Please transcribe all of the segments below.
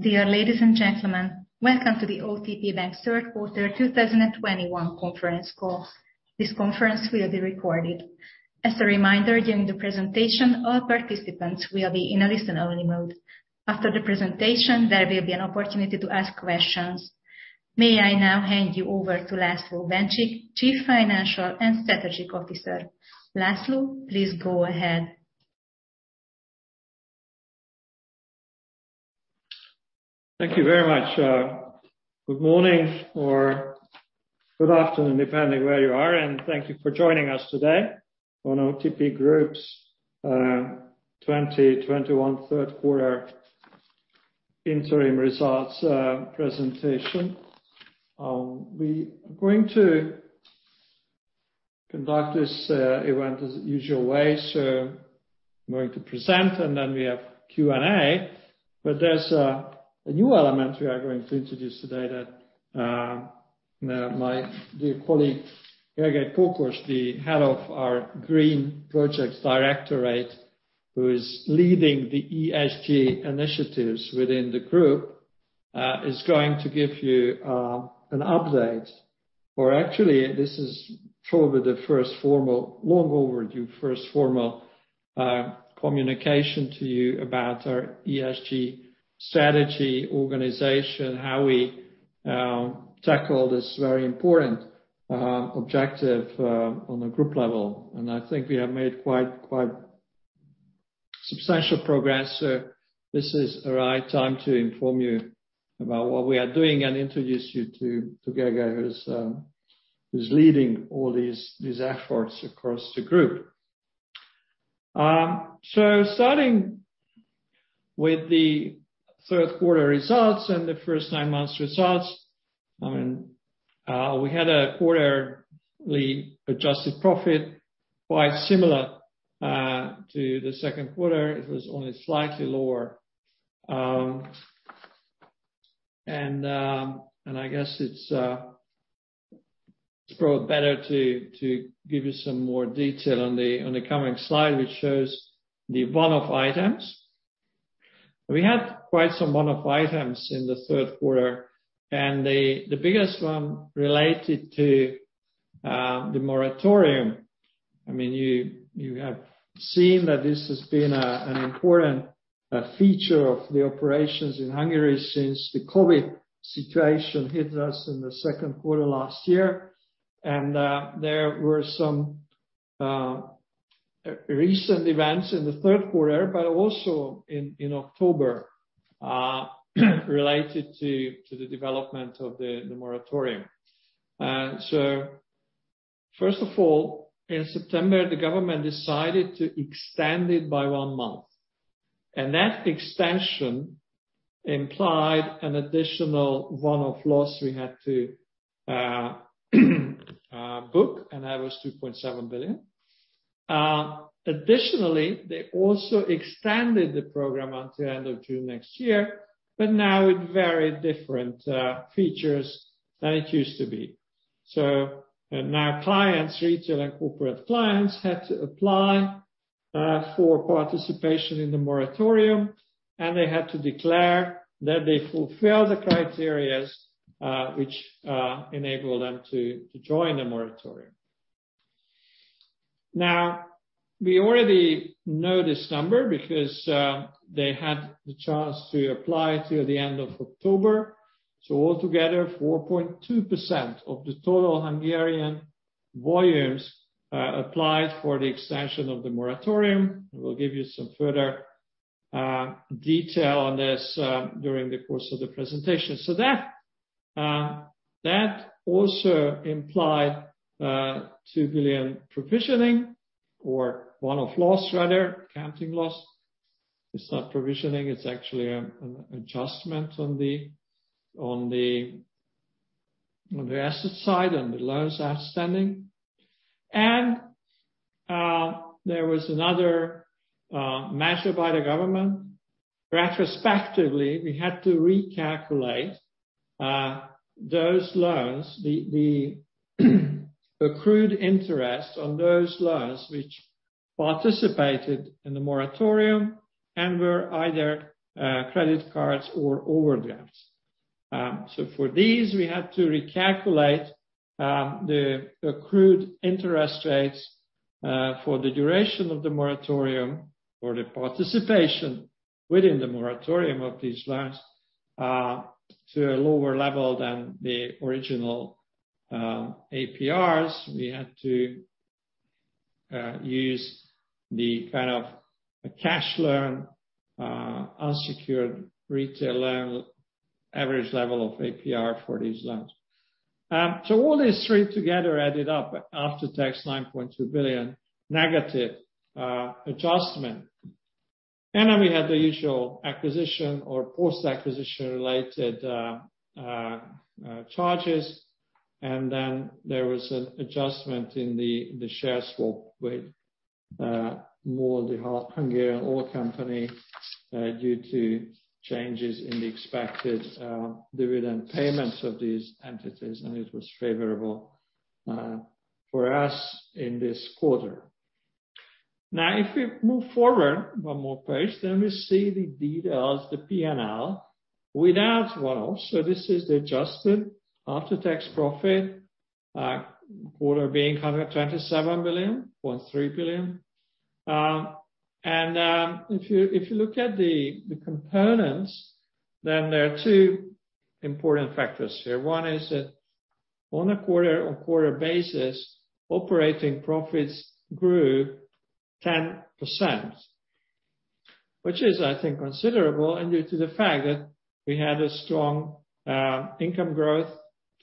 Dear ladies and gentlemen, welcome to the OTP Bank Q3 2021 conference call. This conference will be recorded. As a reminder, during the presentation, all participants will be in a listen-only mode. After the presentation, there will be an opportunity to ask questions. May I now hand you over to László Bencsik, Chief Financial and Strategic Officer. László, please go ahead. Thank you very much. Good morning or good afternoon, depending where you are. Thank you for joining us today on OTP Group's 2021 3rd quarter interim results presentation. We are going to conduct this event as usual way. I'm going to present and then we have Q&A. There's a new element we are going to introduce today that my dear colleague, Gergely Pókos, the head of our Green Programme Directorate, who is leading the ESG initiatives within the group, is going to give you an update. Actually, this is probably the long-overdue first formal communication to you about our ESG strategy organization, how we tackle this very important objective on a group level. I think we have made quite substantial progress. This is a right time to inform you about what we are doing and introduce you to Gergely who's leading all these efforts across the group. Starting with the Q3 results and the first nine months results, I mean, we had a quarterly adjusted profit quite similar to the Q2. It was only slightly lower. And I guess it's probably better to give you some more detail on the coming slide, which shows the one-off items. We had quite some one-off items in the Q3, and the biggest one related to the moratorium. I mean, you have seen that this has been an important feature of the operations in Hungary since the COVID situation hit us in the Q2 last year. There were some recent events in the Q3, but also in October, related to the development of the moratorium. First of all, in September, the government decided to extend it by one month, and that extension implied an additional one-off loss we had to book, and that was 2.7 billion. Additionally, they also extended the program until end of June next year, but now with very different features than it used to be. Now clients, retail and corporate clients, had to apply for participation in the moratorium, and they had to declare that they fulfill the criteria which enable them to join the moratorium. We already know this number because they had the chance to apply till the end of October. Altogether, 4.2% of the total Hungarian volumes applied for the extension of the moratorium. We'll give you some further detail on this during the course of the presentation. That also implied 2 billion provisioning or one-off loss rather, accounting loss. It's not provisioning, it's actually an adjustment on the asset side and the loans outstanding. There was another measure by the government. Retrospectively, we had to recalculate those loans, the accrued interest on those loans which participated in the moratorium and were either credit cards or overdrafts. For these, we had to recalculate the accrued interest rates for the duration of the moratorium or the participation within the moratorium of these loans to a lower level than the original APRs. We had to use the kind of a cash loan, unsecured retail loan, average level of APR for these loans. All these three together added up after tax 9.2 billion negative adjustment. We had the usual acquisition or post-acquisition related charges. There was an adjustment in the share swap with MOL the Hungarian oil company due to changes in the expected dividend payments of these entities, and it was favorable for us in this quarter. If we move forward one more page, we see the details, the P&L without one-off. This is the adjusted after-tax profit, quarter being 127.3 billion. If you look at the components, there are two important factors here. One is that on a quarter-on-quarter basis, operating profits grew 10%, which is, I think, considerable, and due to the fact that we had strong income growth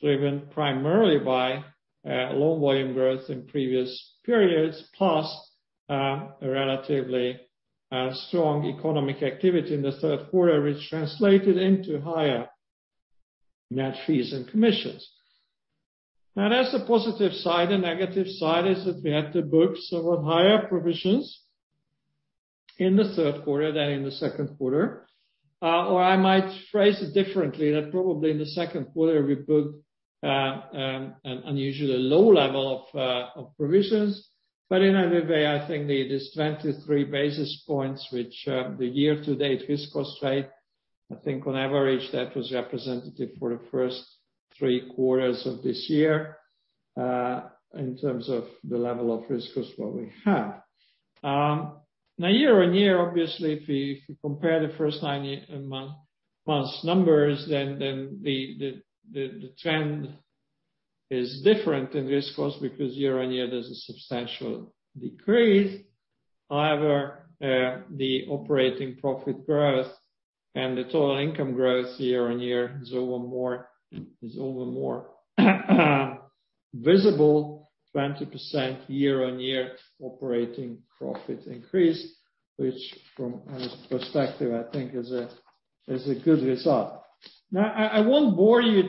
driven primarily by low volume growth in previous periods, plus a relatively strong economic activity in the Q3, which translated into higher net fees and commissions. That's the positive side. The negative side is that we had to book some of higher provisions in the Q3 than in the Q2. I might phrase it differently, that probably in the Q2 we booked an unusually low level of provisions. In either way, I think this 23 basis points, which the year-to-date risk cost rate, I think on average, that was representative for the first three quarters of this year in terms of the level of risk cost what we have. Now year-on-year, obviously, if you compare the first nine months numbers, then the trend is different in risk cost because year-on-year there's a substantial decrease. The operating profit growth and the total income growth year-on-year is over more visible 20% year-on-year operating profit increase, which from our perspective, I think is a good result. I won't bore you,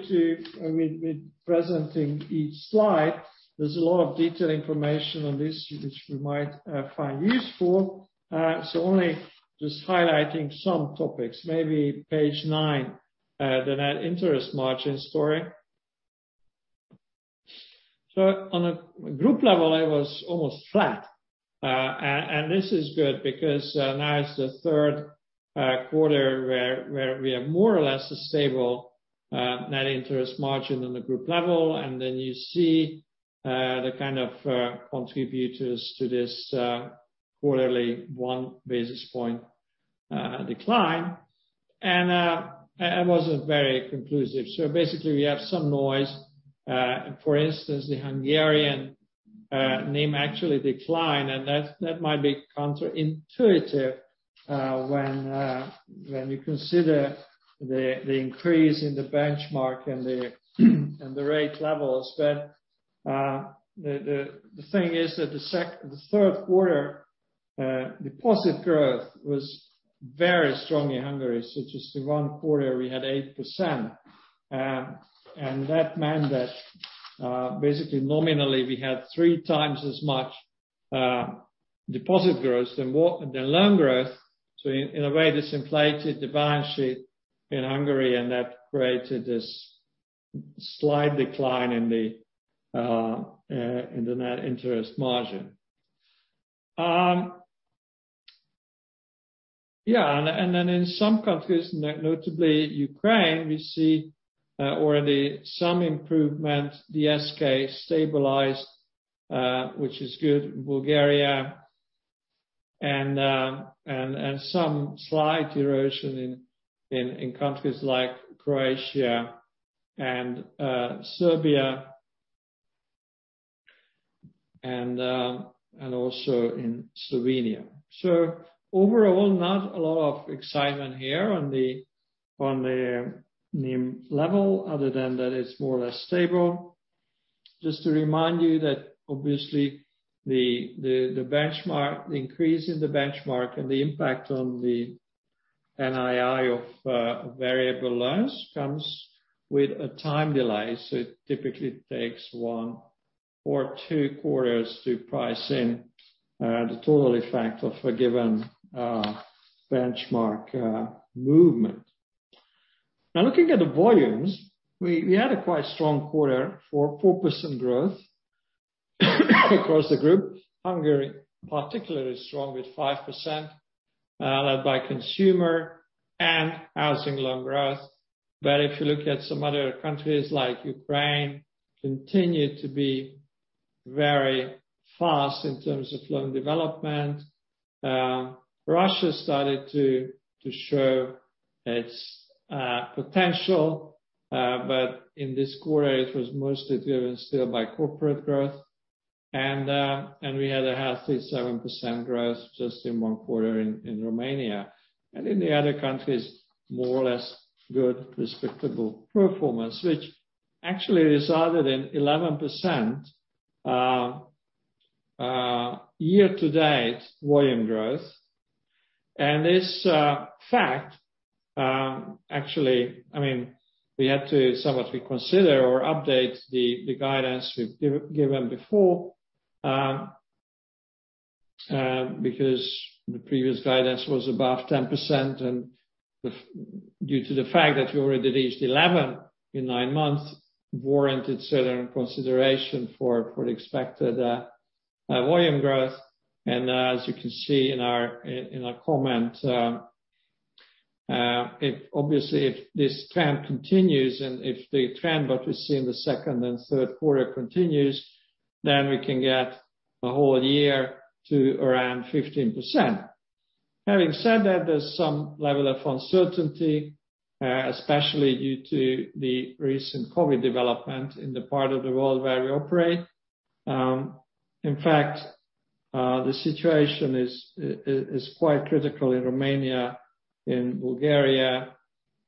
I mean, with presenting each slide. There's a lot of detailed information on this which you might find useful. Only just highlighting some topics, maybe page nine, the net interest margin story. On a group level, it was almost flat. This is good because now is the Q3 where we are more or less a stable net interest margin on the group level. You see the kind of contributors to this quarterly 1 basis point decline. It wasn't very conclusive. Basically we have some noise. For instance, the Hungarian NIM actually declined, that might be counterintuitive when you consider the increase in the benchmark and the rate levels. The thing is that the Q3 deposit growth was very strong in Hungary, such as the one quarter we had 8%. That meant that basically nominally we had three times as much deposit growth than loan growth. In a way, this inflated the balance sheet in Hungary, and that created this slight decline in the net interest margin. In some countries, notably Ukraine, we see already some improvement. The SK stabilized, which is good. Bulgaria and some slight erosion in countries like Croatia and Serbia and also in Slovenia. Overall, not a lot of excitement here on the NIM level other than that it's more or less stable. Just to remind you that obviously the benchmark, the increase in the benchmark and the impact on the NII of variable loans comes with a time delay. It typically takes one or two quarters to price in the total effect of a given benchmark movement. Looking at the volumes, we had a quite strong quarter for 4% growth across the group. Hungary, particularly strong with 5%, led by consumer and housing loan growth. If you look at some other countries, like Ukraine continued to be very fast in terms of loan development. Russia started to show its potential, but in this quarter it was mostly driven still by corporate growth. We had a healthy 7% growth just in one quarter in Romania. In the other countries, more or less good, respectable performance, which actually resulted in 11% year-to-date volume growth. This fact, actually, I mean, we had to somewhat reconsider or update the guidance we've given before, because the previous guidance was above 10% due to the fact that we already reached 11 in nine months warranted certain consideration for the expected volume growth. As you can see in our comment, if obviously, if this trend continues and if the trend what we see in the second and Q3 continues, then we can get the whole year to around 15%. Having said that, there's some level of uncertainty, especially due to the recent COVID development in the part of the world where we operate. In fact, the situation is quite critical in Romania, in Bulgaria,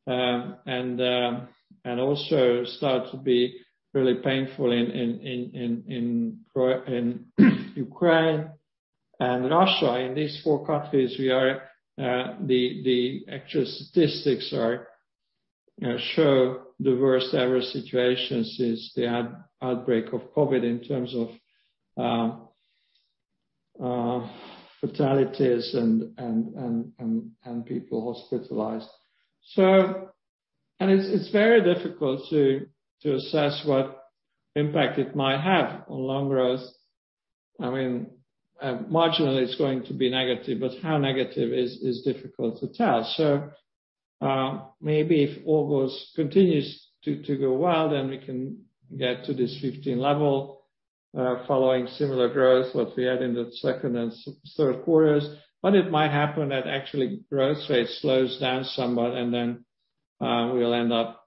and also start to be really painful in Ukraine and Russia. In these four countries, we are the actual statistics show the worst ever situation since the outbreak of COVID in terms of fatalities and people hospitalized. It's very difficult to assess what impact it might have on loan growth. I mean, marginally it's going to be negative, but how negative is difficult to tell. Maybe if August continues to go well, then we can get to this 15 level, following similar growth, what we had in the second and Q3s. It might happen that actually growth rate slows down somewhat and then, we'll end up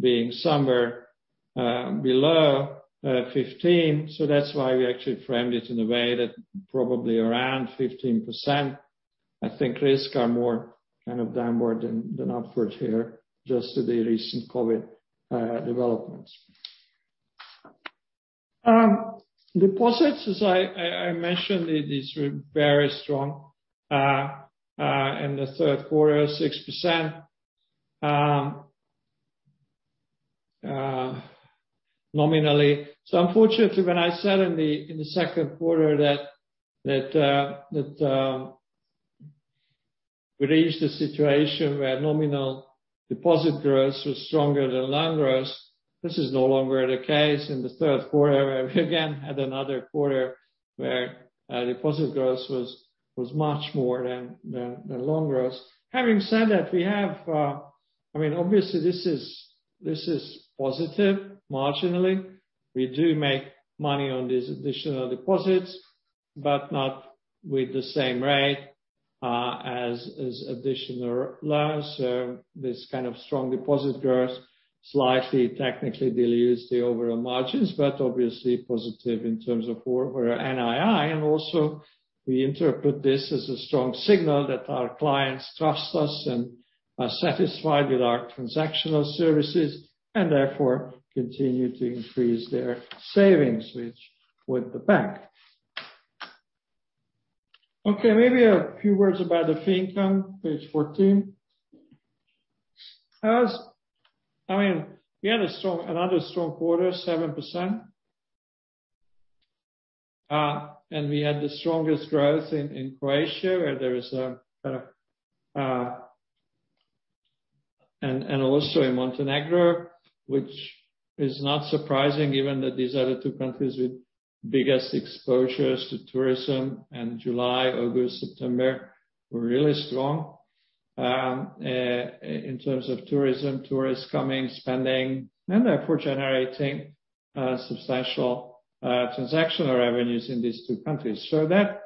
being somewhere below 15%. That's why we actually framed it in a way that probably around 15%. I think risks are more kind of downward than upward here just to the recent COVID developments. Deposits, as I mentioned, it is very strong. In the Q3, 6% nominally. Unfortunately, when I said in the Q2 that we reached a situation where nominal deposit growth was stronger than loan growth. This is no longer the case. In the Q3, we again had another quarter where deposit growth was much more than loan growth. Having said that, we have. I mean, obviously this is positive marginally. We do make money on these additional deposits, but not with the same rate as additional loans. This kind of strong deposit growth slightly technically dilutes the overall margins, but obviously positive in terms of for our NII. Also we interpret this as a strong signal that our clients trust us and are satisfied with our transactional services and therefore continue to increase their savings, which with the bank. Okay, maybe a few words about the fee income, page 14. I mean, we had another strong quarter, 7%. We had the strongest growth in Croatia, where there is a. Also in Montenegro, which is not surprising given that these are the two countries with biggest exposures to tourism. July, August, September were really strong in terms of tourism, tourists coming, spending, and therefore generating substantial transactional revenues in these two countries. That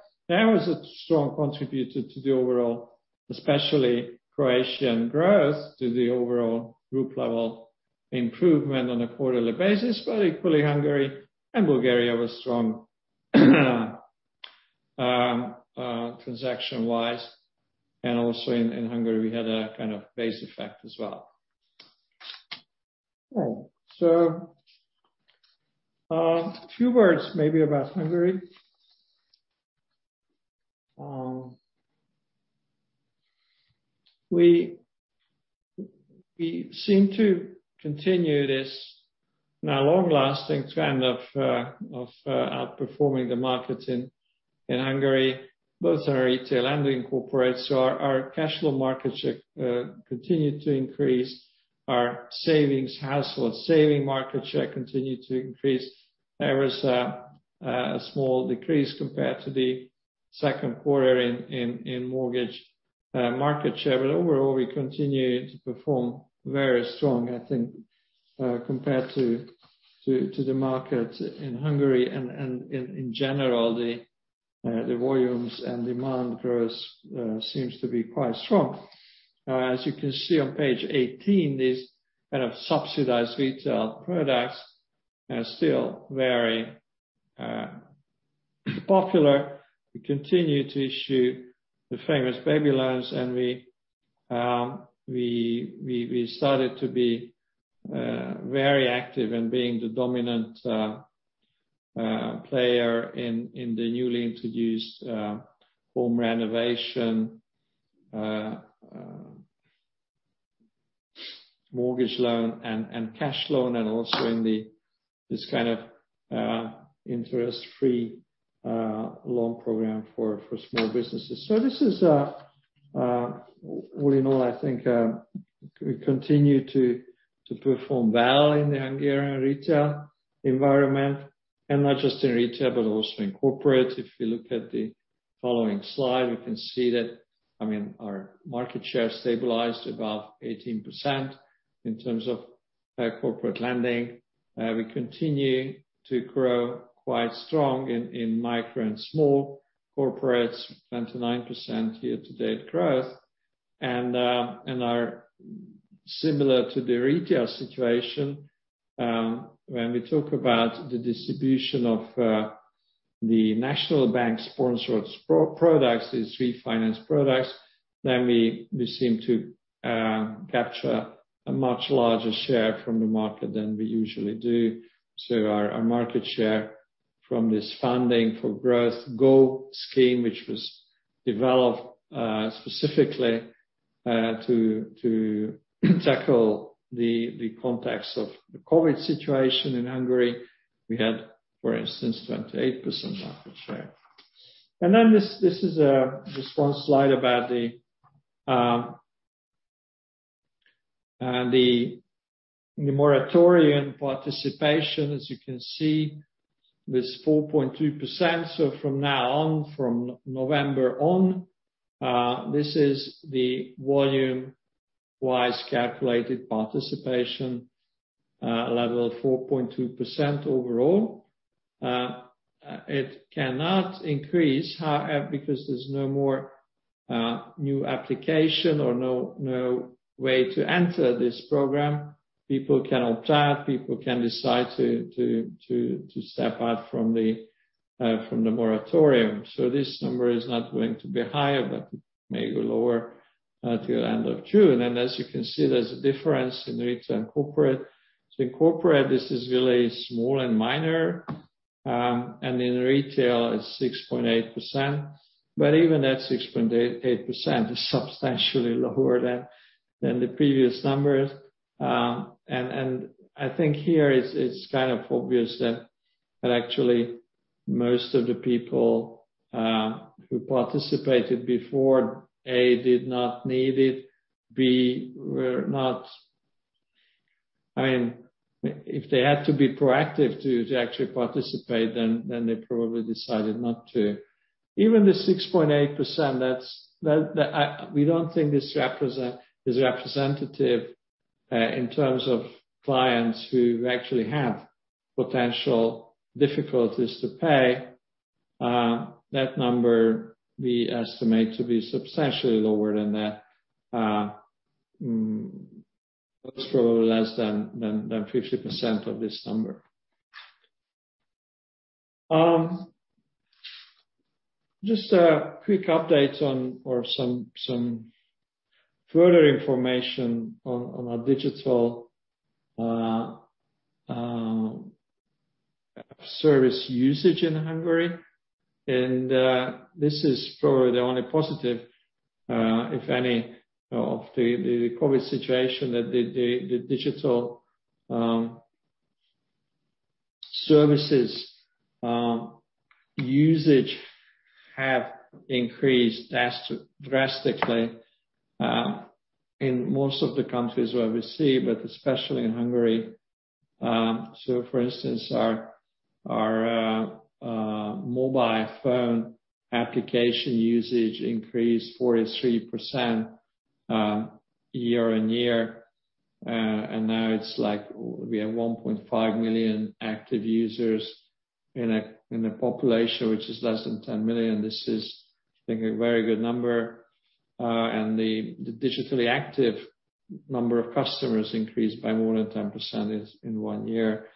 was a strong contributor to the overall, especially Croatian growth, to the overall group level improvement on a quarterly basis. Equally, Hungary and Bulgaria was strong transaction wise. Also in Hungary, we had a kind of base effect as well. All right. A few words maybe about Hungary. We seem to continue this now long lasting trend of outperforming the markets in Hungary, both in our retail and in corporate. Our cash loan market share continued to increase. Our savings, household saving market share continued to increase. There was a small decrease compared to the Q2 in mortgage market share. Overall, we continued to perform very strong, I think, compared to the market in Hungary and in general, the volumes and demand growth seems to be quite strong. As you can see on page 18, these kind of subsidized retail products are still very popular. We continue to issue the famous baby loans, and we started to be very active in being the dominant player in the newly introduced home renovation mortgage loan and cash loan, and also in this kind of interest-free loan program for small businesses. This is, all in all, I think, we continue to perform well in the Hungarian retail environment, and not just in retail, but also in corporate. If you look at the following slide, we can see that, I mean, our market share stabilized above 18% in terms of corporate lending. We continue to grow quite strong in micro and small corporates, 29% year-to-date growth. We are similar to the retail situation, when we talk about the distribution of the National Bank-sponsored pro-products, these refinance products, then we seem to capture a much larger share from the market than we usually do. Our market share from this Funding for Growth Scheme, which was developed specifically to tackle the context of the COVID situation in Hungary, we had, for instance, 28% market share. This is just one slide about the moratorium participation. As you can see, this 4.2%. From now on, from November on, this is the volume-wise calculated participation level of 4.2% overall. It cannot increase, however, because there's no more new application or no way to enter this program. People cannot apply. People can decide to step out from the moratorium. This number is not going to be higher, but it may go lower till end of June. As you can see, there's a difference in retail and corporate. In corporate, this is really small and minor. In retail, it's 6.8%. Even that 6.8% is substantially lower than the previous numbers. And I think here it's kind of obvious that actually most of the people, who participated before, A, did not need it, B, were not. I mean, if they had to be proactive to actually participate, then they probably decided not to. Even the 6.8%, that we don't think this is representative, in terms of clients who actually have potential difficulties to pay. Most probably less than 50% of this number. Just a quick update on or some further information on our digital service usage in Hungary. This is probably the only positive, if any, of the COVID situation that the digital services usage have increased drastically in most of the countries where we see, but especially in Hungary. So for instance our mobile phone application usage increased 43% year on year. Now it's like we have 1.5 million active users in a population which is less than 10 million. This is, I think, a very good number. The digitally active number of customers increased by more than 10% in 1 year.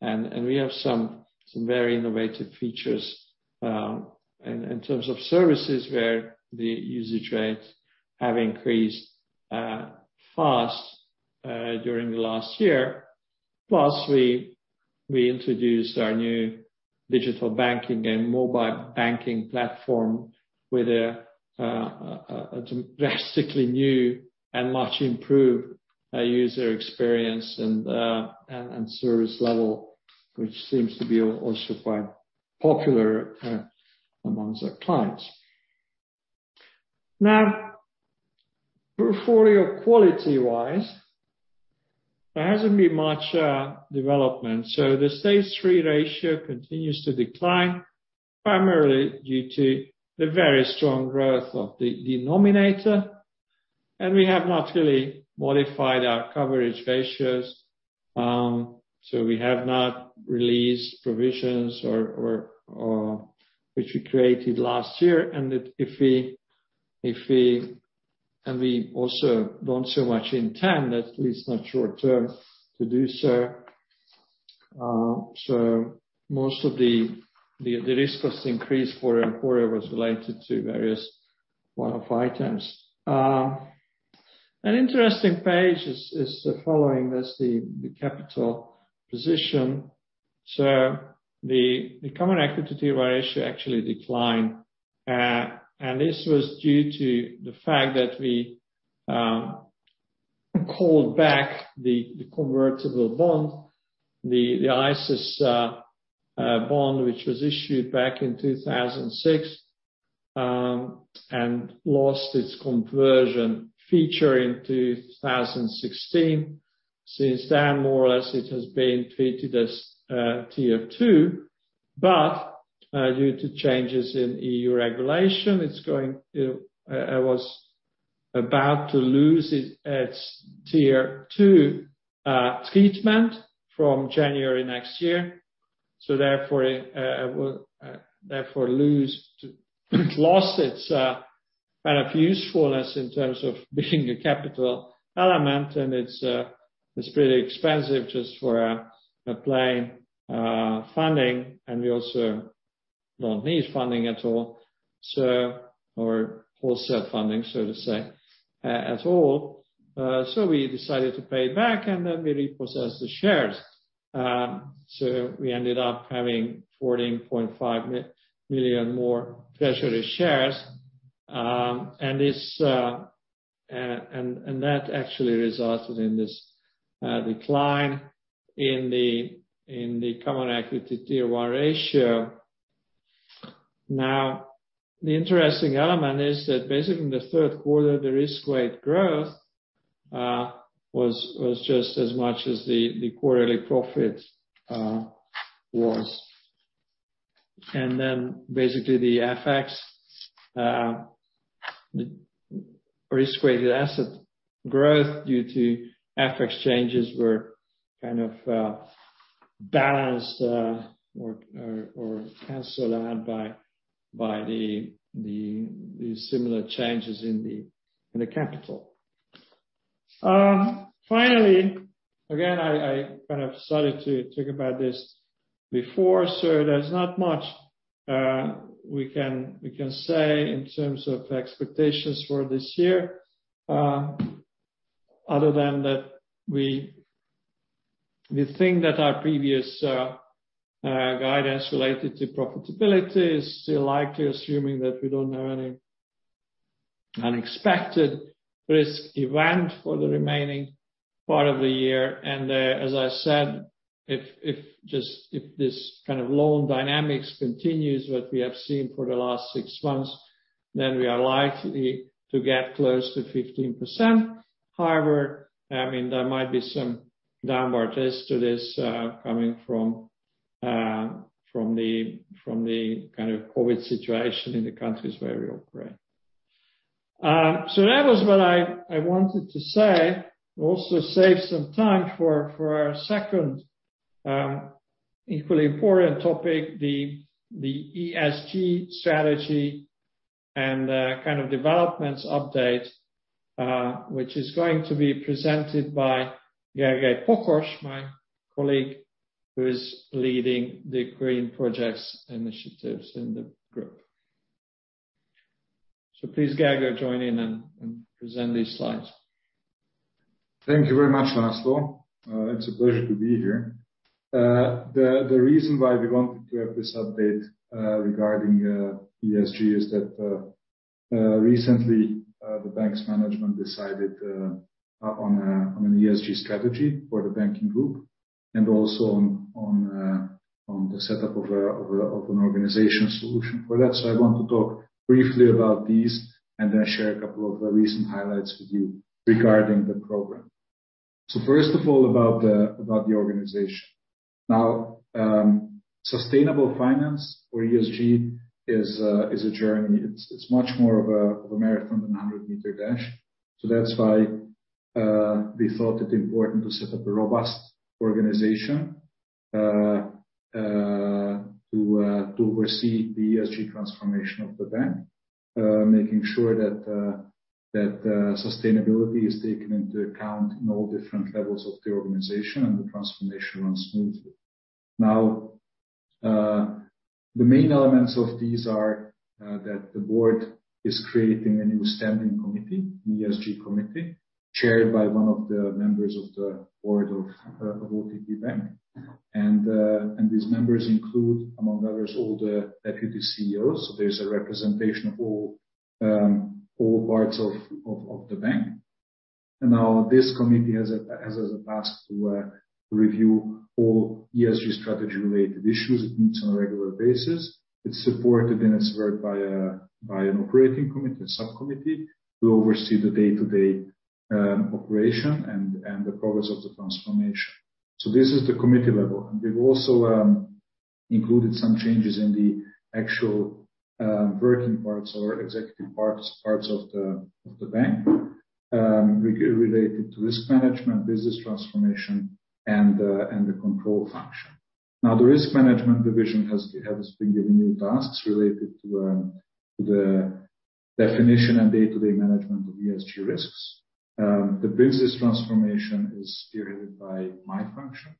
We have some very innovative features in terms of services where the usage rates have increased fast during the last year. We introduced our new digital banking and mobile banking platform with a drastically new and much improved user experience and service level, which seems to be also quite popular amongst our clients. Portfolio quality-wise, there hasn't been much development. The Stage 3 ratio continues to decline, primarily due to the very strong growth of the denominator. We have not really modified our coverage ratios. We have not released provisions or which we created last year. We also don't so much intend, at least not short-term, to do so. Most of the risk was increased for our portfolio was related to various one-off items. An interesting page is the following. That's the capital position. The Common Equity Tier 1 ratio actually declined. This was due to the fact that we Call back the convertible bond, the ICES bond which was issued back in 2006 and lost its conversion feature in 2016. Since then, more or less it has been treated as Tier 2. Due to changes in EU regulation, it was about to lose its Tier 2 treatment from January next year. Therefore lost its kind of usefulness in terms of being a capital element, and it's pretty expensive just for applying funding. We also don't need funding at all, or wholesale funding, so to say, at all. We decided to pay it back, and then we repossessed the shares. So we ended up having 14.5 million more treasury shares. This, and that actually resulted in this decline in the Common Equity Tier 1 ratio. Now, the interesting element is that basically in the Q3, the risk-weighted growth was just as much as the quarterly profit was. Basically the FX, the risk-weighted asset growth due to FX changes were kind of balanced or canceled out by the similar changes in the capital. Finally, again, I kind of started to talk about this before, so there's not much we can say in terms of expectations for this year, other than that we think that our previous guidance related to profitability is still likely, assuming that we don't have any unexpected risk event for the remaining part of the year. As I said, if this kind of loan dynamics continues what we have seen for the last six months, then we are likely to get close to 15%. I mean there might be some downward risk to this, coming from the kind of COVID situation in the countries where we operate. That was what I wanted to say. Also save some time for our second, equally important topic, the ESG strategy and kind of developments update, which is going to be presented by Gergely Pókos, my colleague who is leading the green projects initiatives in the group. Please, Gergely, join in and present these slides. Thank you very much, László. It's a pleasure to be here. The reason why we wanted to have this update regarding ESG is that recently the bank's management decided on an ESG strategy for the banking group and also on the setup of an organization solution for that. I want to talk briefly about these and then share a couple of the recent highlights with you regarding the program. First of all, about the organization. Sustainable finance or ESG is a journey. It's much more of a marathon than a 100-meter dash. That's why we thought it important to set up a robust organization to oversee the ESG transformation of the bank, making sure that sustainability is taken into account in all different levels of the organization and the transformation runs smoothly. The main elements of these are that the board is creating a new standing committee, an ESG Committee, chaired by one of the members of the board of OTP Bank. These members include, among others, all the Deputy CEOs. There's a representation of all parts of the bank. This committee has as a task to review all ESG strategy related issues. It meets on a regular basis. It's supported in its work by an operating committee, a subcommittee to oversee the day-to-day operation and the progress of the transformation. This is the committee level. We've also included some changes in the actual working parts or executive parts of the bank related to risk management, business transformation and the control function. The risk management division has been given new tasks related to the definition and day-to-day management of ESG risks. The business transformation is spearheaded by my function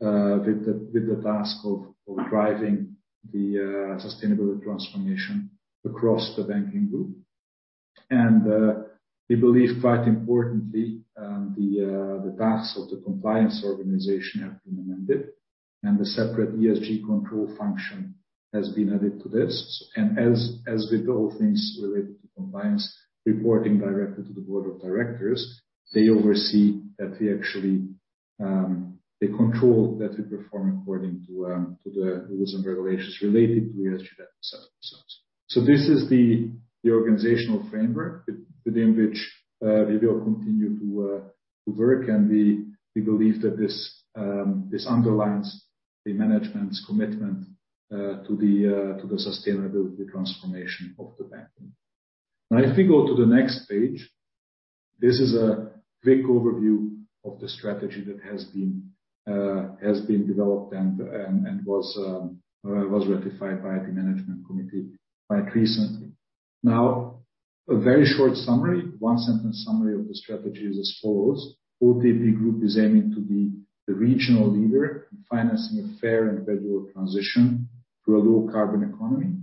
with the task of driving the sustainability transformation across the banking group. We believe quite importantly, the tasks of the compliance organization have been amended. A separate ESG control function has been added to this. As with all things related to compliance, reporting directly to the board of directors, they oversee that we actually, they control that we perform according to the rules and regulations related to ESG themselves. This is the organizational framework within which we will continue to work. We believe that this underlines the management's commitment to the sustainability transformation of the banking. If we go to the next page, this is a quick overview of the strategy that has been developed and was ratified by the management committee quite recently. A very short summary. One-sentence summary of the strategy is as follows: OTP Group is aiming to be the regional leader in financing a fair and gradual transition to a low carbon economy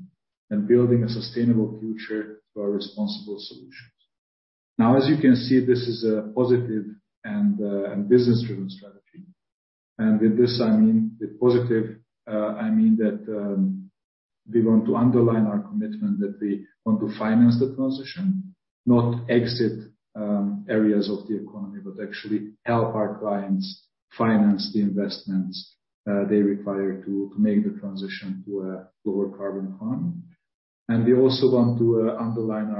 and building a sustainable future through our responsible solutions. Now, as you can see, this is a positive and business-driven strategy. With this I mean with positive, I mean that, we want to underline our commitment that we want to finance the transition, not exit, areas of the economy, but actually help our clients finance the investments, they require to make the transition to a lower carbon economy. We also want to underline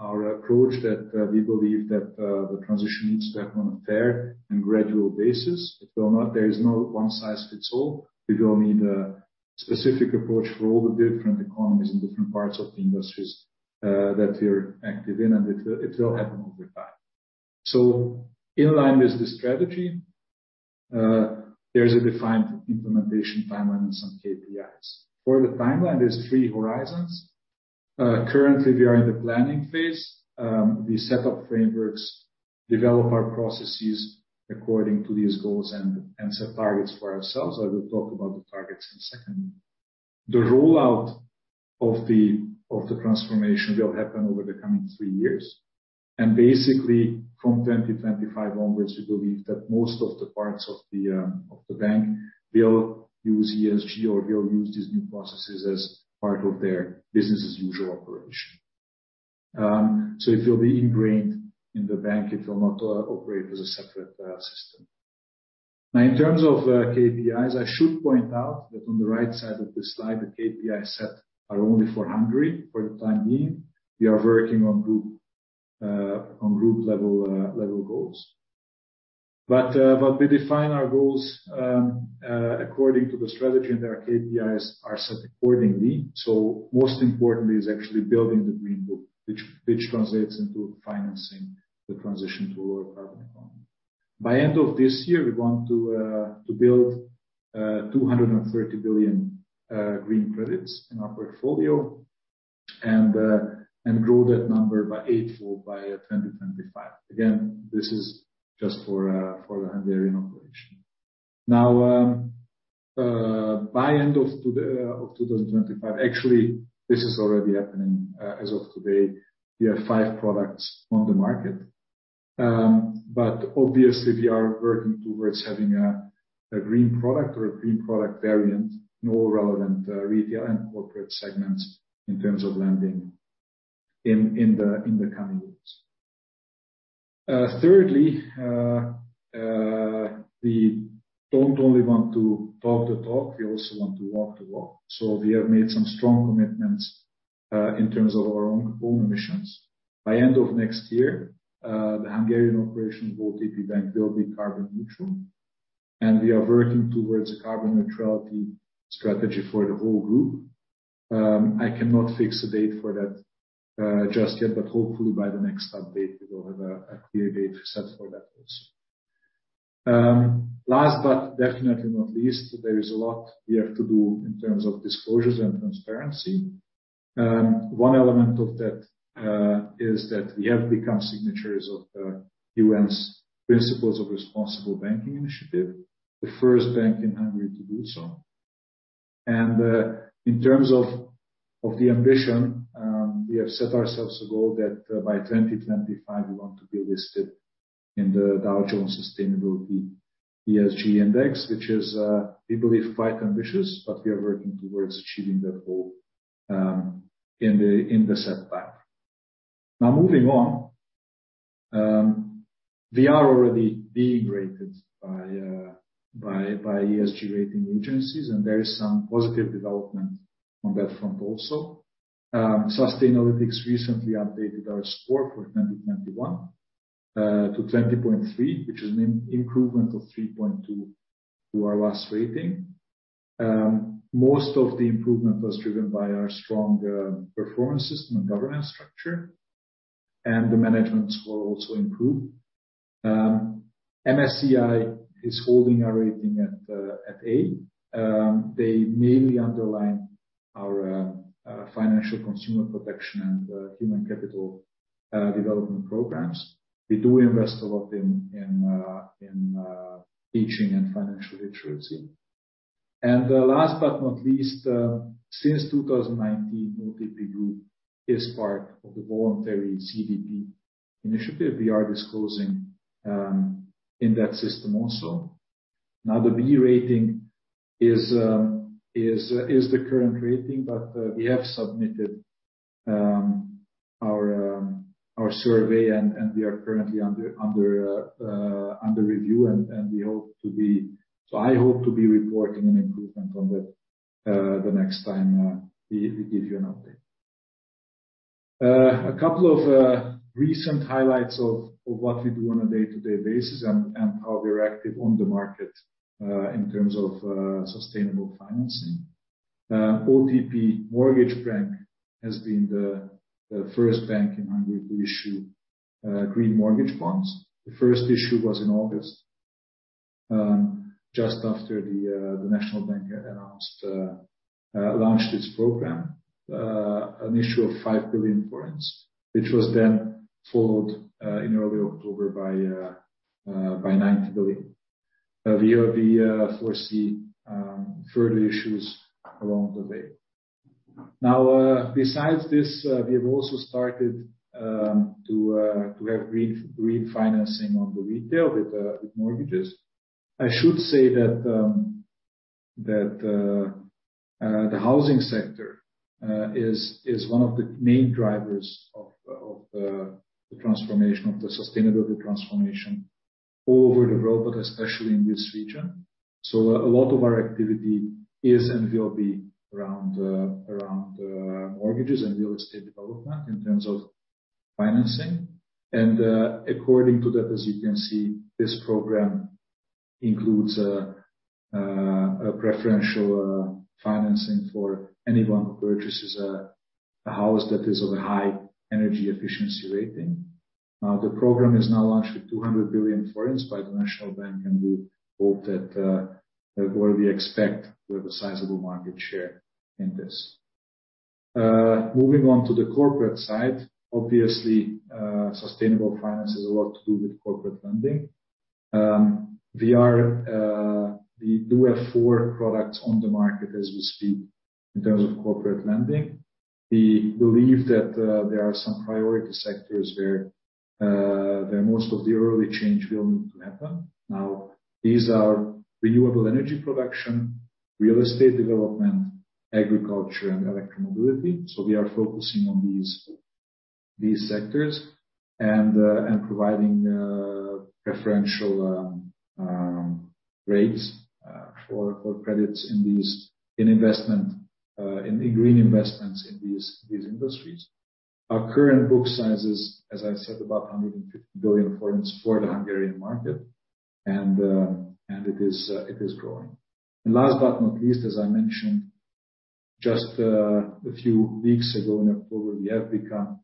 our approach that, we believe that, the transition needs to happen on a fair and gradual basis. It will not. There is no one size fits all. We will need a specific approach for all the different economies and different parts of the industries that we're active in, it will happen over time. In line with the strategy, there's a defined implementation timeline and some KPIs. For the timeline, there's three horizons. Currently we are in the planning phase. We set up frameworks, develop our processes according to these goals and set targets for ourselves. I will talk about the targets in a second. The rollout of the transformation will happen over the coming three years. Basically from 2025 onwards, we believe that most of the parts of the bank will use ESG or will use these new processes as part of their business as usual operation. It will be ingrained in the bank. It will not operate as a separate system. Now, in terms of KPIs, I should point out that on the right side of this slide, the KPI set are only for Hungary for the time being. We are working on group level goals. We define our goals according to the strategy, and their KPIs are set accordingly. Most importantly is actually building the green book, which translates into financing the transition to a lower carbon economy. By end of this year, we want to build 230 billion green credits in our portfolio and grow that number by eight-fold by 2025. Again, this is just for the Hungarian operation. Now, by end of 2025. Actually, this is already happening. As of today, we have five products on the market. Obviously we are working towards having a green product or a green product variant in all relevant retail and corporate segments in terms of lending in the coming years. Thirdly, we don't only want to talk the talk, we also want to walk the walk. We have made some strong commitments in terms of our own emissions. By end of next year, the Hungarian operation of OTP Bank will be carbon neutral, and we are working towards a carbon neutrality strategy for the whole group. I cannot fix a date for that just yet, but hopefully by the next update we will have a clear date set for that also. Last but definitely not least, there is a lot we have to do in terms of disclosures and transparency. One element of that is that we have become signatories of the UN's Principles for Responsible Banking initiative, the first bank in Hungary to do so. In terms of the ambition, we have set ourselves a goal that by 2025 we want to be listed in the Dow Jones Sustainability Index, which is, we believe, quite ambitious, but we are working towards achieving that goal in the set time. Moving on. We are already being rated by ESG rating agencies, and there is some positive development on that front also. Sustainalytics recently updated our score for 2021, to 20.3, which is an improvement of 3.2 to our last rating. Most of the improvement was driven by our strong performance system and governance structure, and the management score also improved. MSCI is holding our rating at A. They mainly underline our financial consumer protection and human capital development programs. We do invest a lot in teaching and financial literacy. Last but not least, since 2019, OTP Group is part of the voluntary CDP-Initiative we are disclosing in that system also. The B rating is the current rating, we have submitted our survey and we are currently under review and I hope to be reporting an improvement on that the next time we give you an update. A couple of recent highlights of what we do on a day-to-day basis and how we are active on the market in terms of sustainable financing. OTP Mortgage Bank has been the first bank in Hungary to issue green mortgage bonds. The first issue was in August, just after the National Bank announced launched its program. An issue of 5 billion forints, which was then followed in early October by 90 billion. We foresee further issues along the way. Besides this, we have also started to have refinancing on the retail with mortgages. I should say that the housing sector is one of the main drivers of the transformation of the sustainability transformation all over the world, but especially in this region. A lot of our activity is and will be around mortgages and real estate development in terms of financing. According to that, as you can see, this program includes a preferential financing for anyone who purchases a house that is of a high energy efficiency rating. The program is now launched with 200 billion forints by the National Bank, we hope that, or we expect we have a sizable market share in this. Moving on to the corporate side, obviously, sustainable finance has a lot to do with corporate lending. We are, we do have 4 products on the market as we speak in terms of corporate lending. We believe that, there are some priority sectors where most of the early change will need to happen. Now, these are renewable energy production, real estate development, agriculture, and electromobility. We are focusing on these sectors and providing preferential rates for credits in these investment in green investments in these industries. Our current book size is, as I said, about 150 billion for the Hungarian market, and it is growing. Last but not least, as I mentioned just a few weeks ago in October, we have become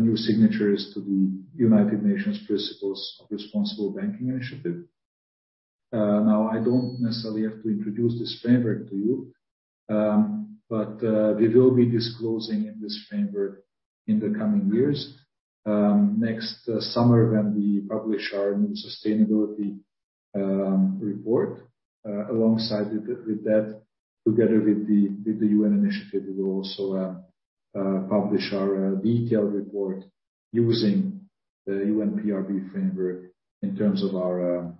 new signatories to the United Nations Principles for Responsible Banking Initiative. Now I don't necessarily have to introduce this framework to you, but we will be disclosing in this framework in the coming years. Next summer when we publish our new sustainability report, alongside with that together with the UN initiative, we will also publish our detailed report using the UNPRB framework in terms of our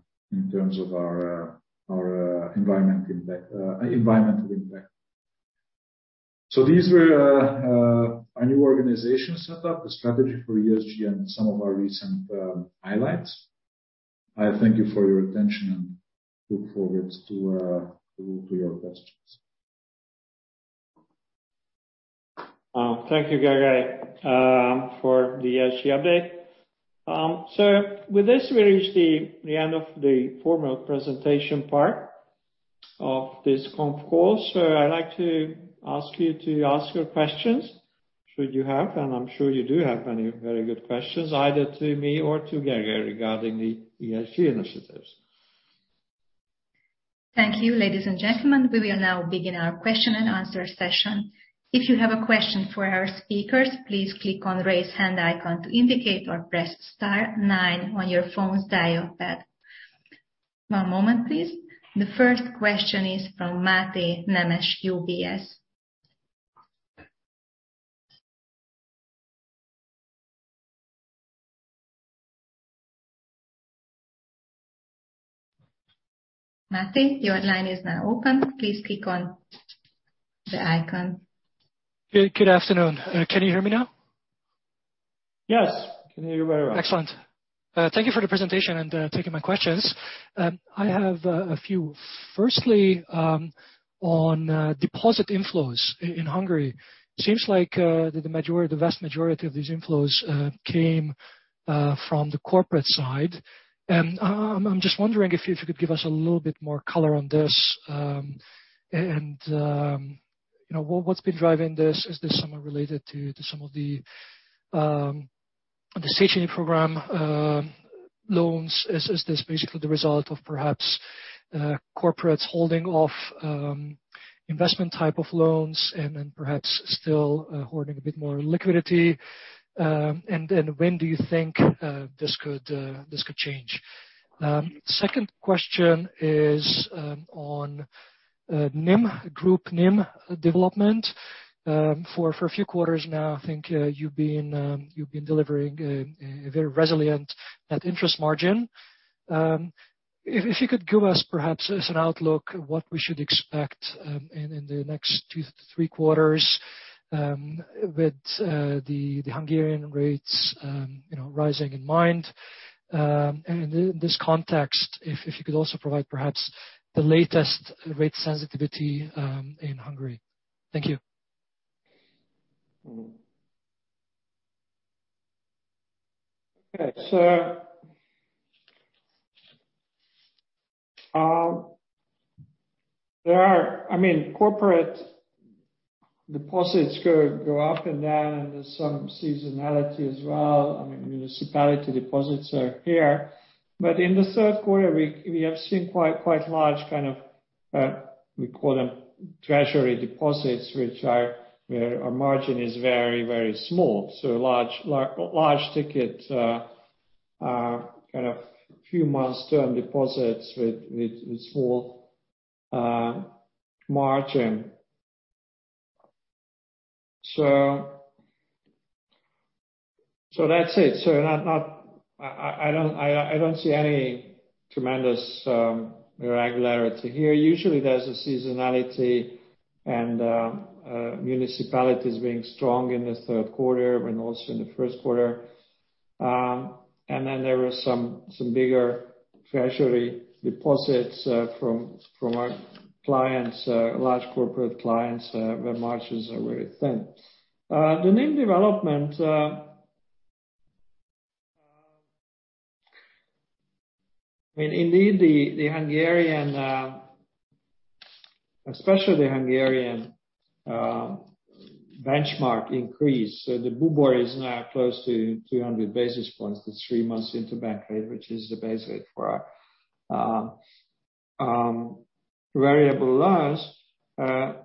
environment impact, environmental impact. These were our new organization set up, the strategy for ESG and some of our recent highlights. I thank you for your attention and look forward to your questions. Thank you, Gergely, for the ESG update. With this we reach the end of the formal presentation part of this conf call. I'd like to ask you to ask your questions should you have, and I'm sure you do have many very good questions either to me or to Gergely regarding the ESG initiatives. Thank you. Ladies and gentlemen, we will now begin our question and answer session. If you have a question for our speakers, please click on the Raise Hand icon to indicate or press star nine on your phone's dial pad. One moment, please. The first question is from Máté Nemes, UBS. Máté, your line is now open. Please click on the icon. Good afternoon. Can you hear me now? Yes, I can hear you very well. Excellent. Thank you for the presentation and taking my questions. I have a few. Firstly, on deposit inflows in Hungary. Seems like the majority, the vast majority of these inflows came from the corporate side. I'm just wondering if you could give us a little bit more color on this. You know, what's been driving this? Is this somehow related to some of the FGS program loans? Is this basically the result of perhaps corporates holding off investment type of loans and then perhaps still hoarding a bit more liquidity? When do you think this could change? Second question is on NIM, group NIM development. For a few quarters now, I think, you've been delivering a very resilient net interest margin. If you could give us perhaps as an outlook what we should expect in the next two to three quarters, with the Hungarian rates, you know, rising in mind. In this context, if you could also provide perhaps the latest rate sensitivity in Hungary. Thank you. Okay. There are corporate deposits go up and down, and there's some seasonality as well. Municipality deposits are here. In the Q3, we have seen quite large kind of, we call them treasury deposits, which are where our margin is very small. Large ticket are kind of few months term deposits with small margin. That's it. I don't see any tremendous regularity here. Usually, there's a seasonality and municipalities being strong in the Q3 when also in the Q1. There were some bigger treasury deposits from our clients, large corporate clients, where margins are very thin. The NIM development. Indeed, the Hungarian, especially the Hungarian benchmark increase. The BUBOR is now close to 200 basis points to 3 months interbank rate, which is the base rate for our variable loans.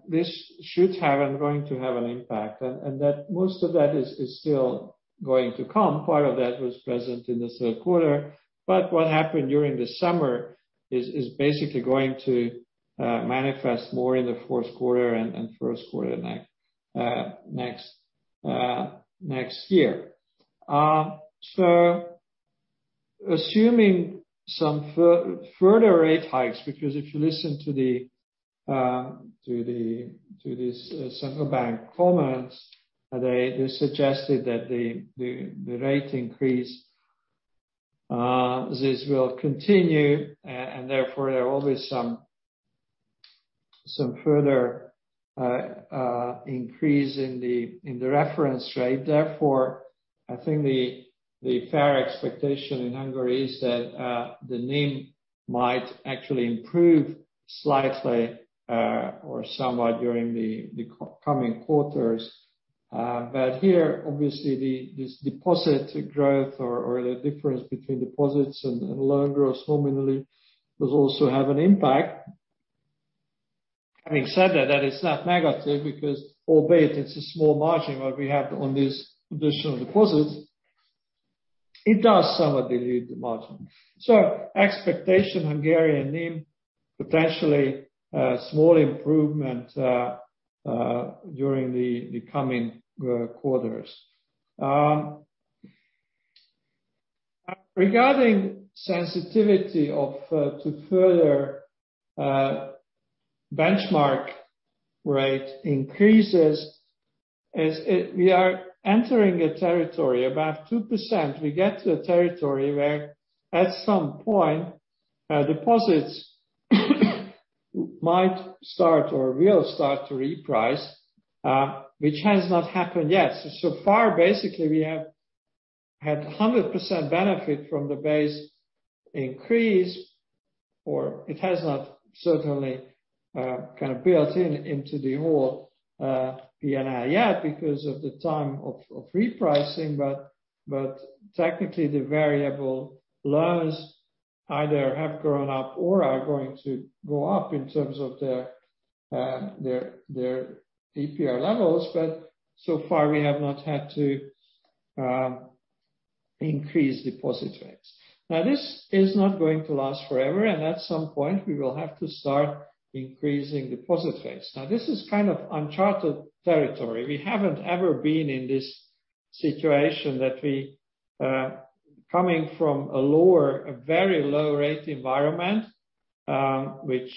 This should have and going to have an impact, and most of that is still going to come. Part of that was present in this Q3. What happened during the summer is basically going to manifest more in the Q4 and Q1 next year. Assuming some further rate hikes because if you listen to the central bank comments, they suggested that the rate increase will continue, and therefore there will be some further increase in the reference rate. I think the fair expectation in Hungary is that the NIM might actually improve slightly or somewhat during the coming quarters. Here, obviously the deposit growth or the difference between deposits and loan growth nominally does also have an impact. Having said that is not negative because albeit it's a small margin what we have on these additional deposits, it does somewhat dilute the margin. Expectation Hungarian NIM, potentially, small improvement during the coming quarters. Regarding sensitivity to further benchmark rate increases, we are entering a territory about 2%. We get to a territory where at some point deposits might start or will start to reprice, which has not happened yet. Far, basically we have had 100% benefit from the base increase, or it has not certainly kind of built in into the whole P&L yet because of the time of repricing. Technically the variable loans either have gone up or are going to go up in terms of their their APR levels. So far we have not had to increase deposit rates. This is not going to last forever, and at some point we will have to start increasing deposit rates. This is kind of uncharted territory. We haven't ever been in this situation that we coming from a lower, a very low rate environment, which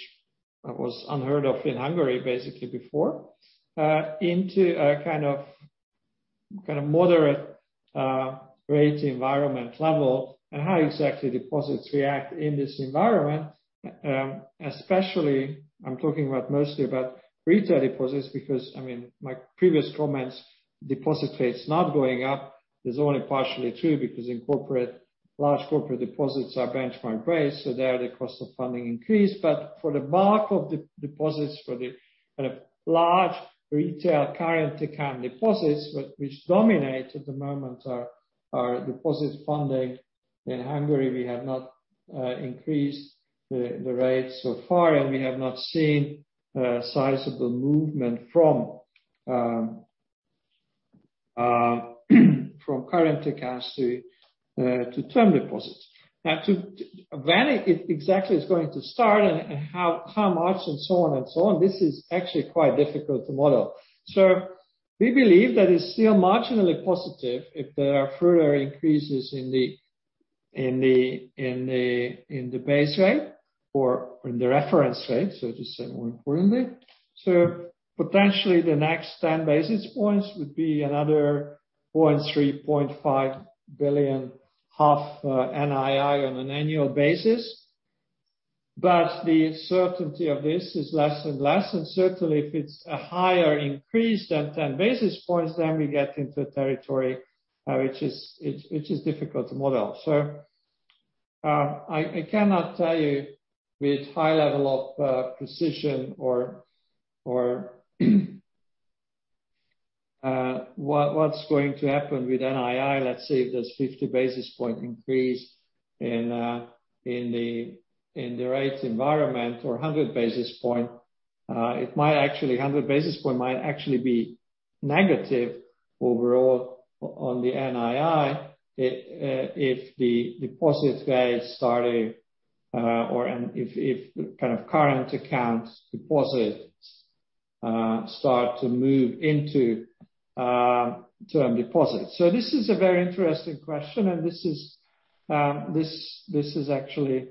was unheard of in Hungary basically before into a kind of moderate rate environment level and how exactly deposits react in this environment. Especially I'm talking about mostly about retail deposits because, I mean, my previous comments, deposit rates not going up is only partially true because large corporate deposits are benchmarked based, so there the cost of funding increased. For the bulk of deposits, for the kind of large retail current account deposits which dominate at the moment our deposit funding in Hungary, we have not increased the rates so far and we have not seen sizable movement from current accounts to term deposits. When it exactly is going to start and how much and so on, this is actually quite difficult to model. We believe that it's still marginally positive if there are further increases in the base rate or in the reference rate, to say more importantly. Potentially the next 10 basis points would be another 0.35 billion NII on an annual basis. The certainty of this is less and less. Certainly if it's a higher increase than 10 basis points, then we get into a territory which is difficult to model. I cannot tell you with high level of precision or what's going to happen with NII. Let's say if there's 50 basis point increase in the rate environment or a 100 basis point, it might actually. 100 basis points might actually be negative overall on the NII if the deposit rates started, or, and if kind of current accounts deposits start to move into term deposits. This is a very interesting question, and this is actually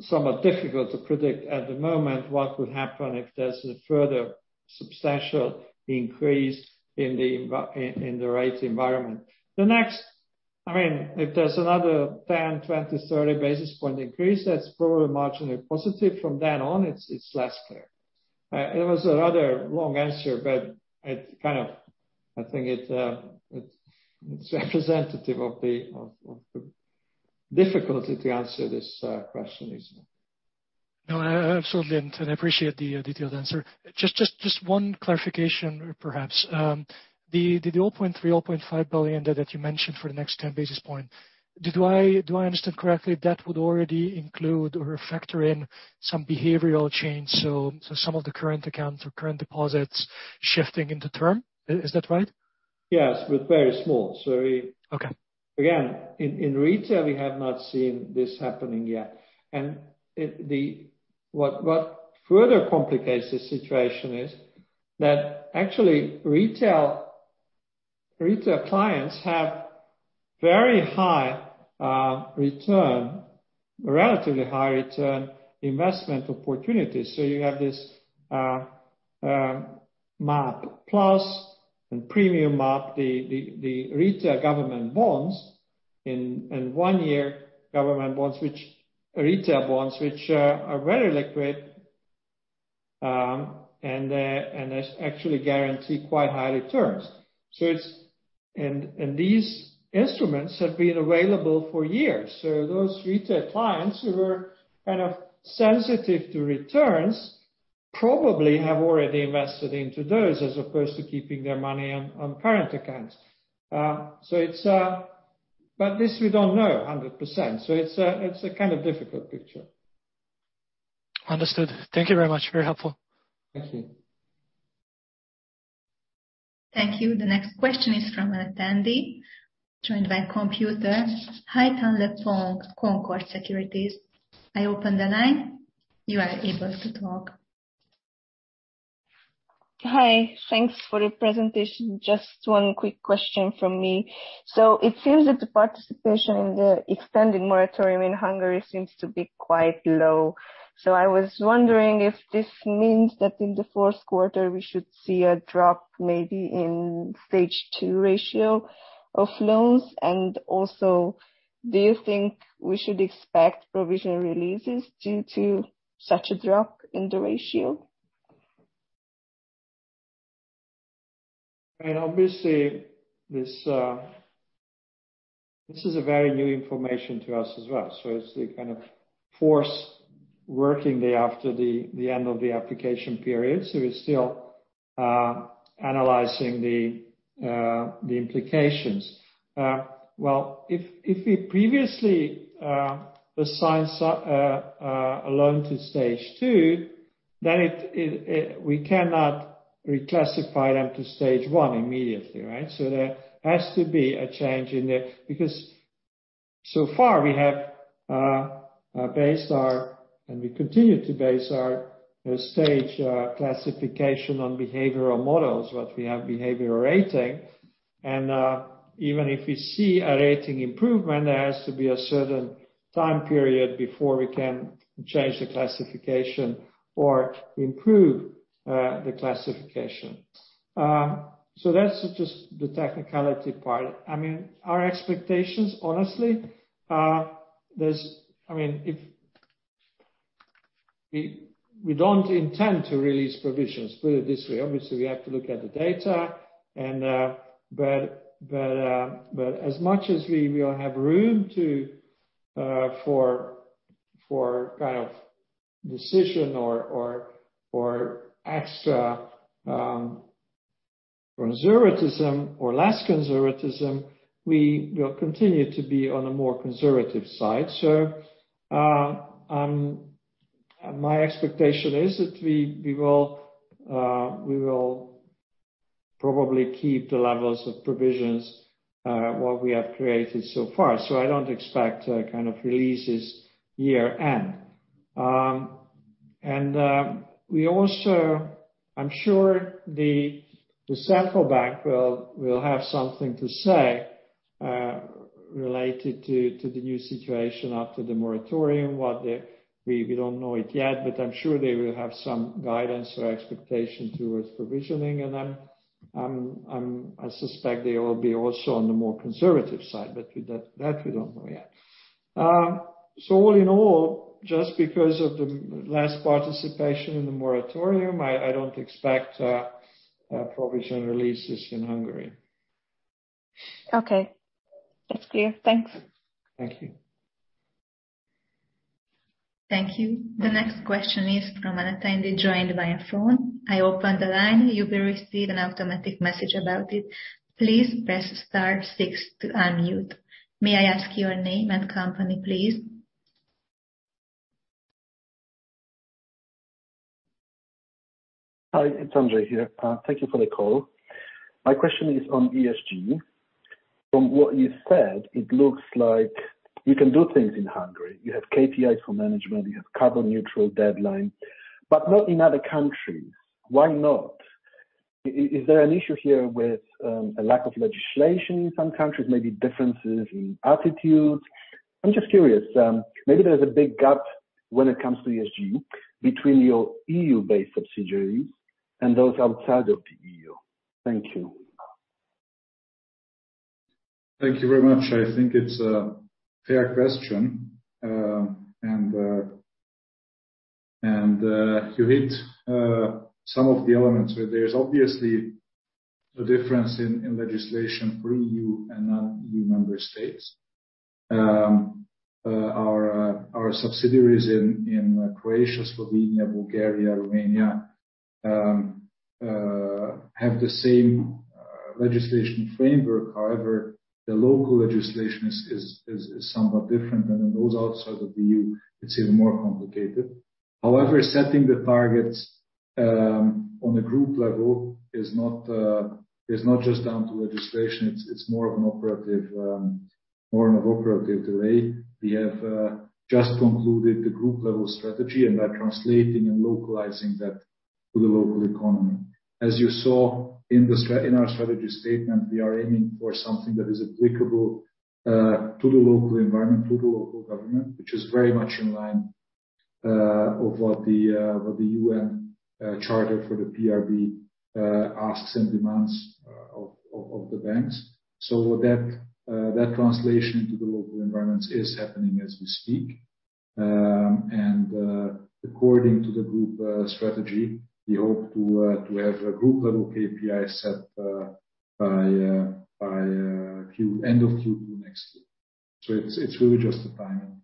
somewhat difficult to predict at the moment what would happen if there's a further substantial increase in the rate environment. I mean, if there's another 10, 20, 30 basis point increase, that's probably marginally positive. From then on, it's less clear. It was a rather long answer, but it kind of. I think it's representative of the difficulty to answer this question, Izzy. No, absolutely. I appreciate the detailed answer. Just one clarification perhaps. The 0.3-0.5 billion that you mentioned for the next 10 basis points, do I understand correctly that would already include or factor in some behavioral change, so some of the current accounts or current deposits shifting into term? Is that right? Yes, but very small. Okay. Again, in retail, we have not seen this happening yet. What further complicates the situation is that actually retail clients have very high return, relatively high return investment opportunities. You have this MÁP+ and PMÁP, the retail government bonds in 1 year government bonds which retail bonds are very liquid, and is actually guaranteed quite high returns. These instruments have been available for years. Those retail clients who are kind of sensitive to returns probably have already invested into those as opposed to keeping their money on current accounts. But this we don't know 100%. It's a kind of difficult picture. Understood. Thank you very much. Very helpful. Thank you. Thank you. The next question is from an attendee joined by computer. Hi Tamás Polgár, Concorde Securities. I open the line. You are able to talk. Hi. Thanks for your presentation. Just one quick question from me. It seems that the participation in the extended moratorium in Hungary seems to be quite low. I was wondering if this means that in the Q4 we should see a drop maybe in Stage 2 ratio of loans. Also, do you think we should expect provision releases due to such a drop in the ratio? Obviously, this is a very new information to us as well. It's the kind of fourth working day after the end of the application period. We're still analyzing the implications. Well, if we previously assign a loan to Stage 2, then we cannot reclassify them to Stage 1 immediately, right? There has to be a change in the because so far we have based our, and we continue to base our stage classification on behavioral models, what we have behavioral rating. Even if we see a rating improvement, there has to be a certain time period before we can change the classification or improve the classification. That's just the technicality part. I mean, our expectations, honestly, there's. I mean, if we don't intend to release provisions, put it this way. Obviously, we have to look at the data and, as much as we will have room to for kind of decision or extra conservatism or less conservatism, we will continue to be on a more conservative side. My expectation is that we will probably keep the levels of provisions what we have created so far. I don't expect kind of releases year-end. I'm sure the Central Bank will have something to say related to the new situation after the moratorium. We don't know it yet, but I'm sure they will have some guidance or expectation towards provisioning. I suspect they will be also on the more conservative side, but that we don't know yet. All in all, just because of the less participation in the moratorium, I don't expect provision releases in Hungary. Okay. That's clear. Thanks. Thank you. Thank you. The next question is from Anthony joined by phone. I open the line. Hi, it's Andre here. Thank you for the call. My question is on ESG. From what you said, it looks like you can do things in Hungary. You have KPIs for management, you have carbon neutral deadline, but not in other countries. Why not? Is there an issue here with a lack of legislation in some countries? Maybe differences in attitudes? I'm just curious. Maybe there's a big gap when it comes to ESG between your EU-based subsidiaries and those outside of the EU. Thank you. Thank you very much. I think it's a fair question. You hit some of the elements where there's obviously a difference in legislation for EU and non-EU member states. Our subsidiaries in Croatia, Slovenia, Bulgaria, Romania, have the same legislation framework. However, the local legislation is somewhat different than in those outside of the EU it's even more complicated. However, setting the targets on the group level is not just down to legislation. It's more of an operative delay. We have just concluded the group level strategy and by translating and localizing that to the local economy. As you saw in our strategy statement, we are aiming for something that is applicable to the local environment, to the local government, which is very much in line of what the UN charter for the PRB asks and demands of the banks. That translation to the local environments is happening as we speak. According to the Group strategy, we hope to have a Group level KPI set by end of Q2 next year. It's really just a timing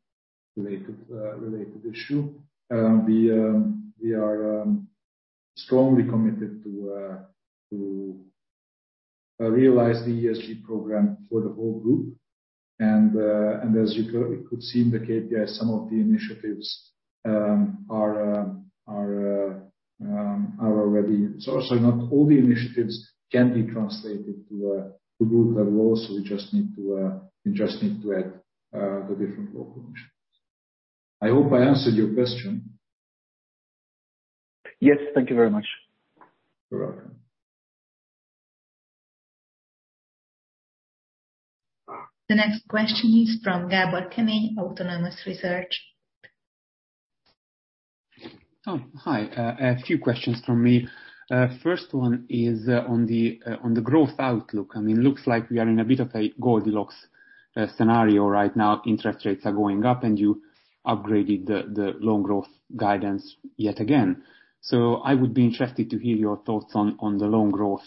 related issue. We are strongly committed to realize the ESG program for the whole Group. As you could see in the KPI, some of the initiatives are already. Sorry, not all the initiatives can be translated to group levels. We just need to add the different local initiatives. I hope I answered your question. Yes. Thank you very much. You're welcome. The next question is from Gabor Kemeny, Autonomous Research. Hi. A few questions from me. First one is on the growth outlook. I mean, looks like we are in a bit of a Goldilocks scenario right now. Interest rates are going up, and you upgraded the loan growth guidance yet again. I would be interested to hear your thoughts on the loan growth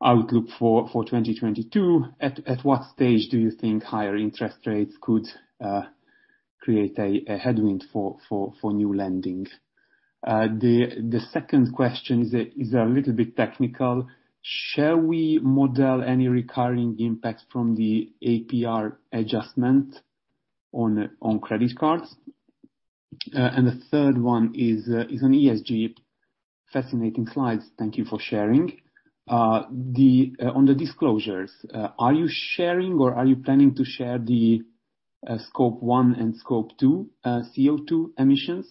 outlook for 2022. At what stage do you think higher interest rates could create a headwind for new lending? The second question is a little bit technical. Shall we model any recurring impacts from the APR adjustment on credit cards? The third one is on ESG. Fascinating slides. Thank you for sharing. The, on the disclosures, are you sharing or are you planning to share the Scope 1 and Scope 2 CO2 emissions?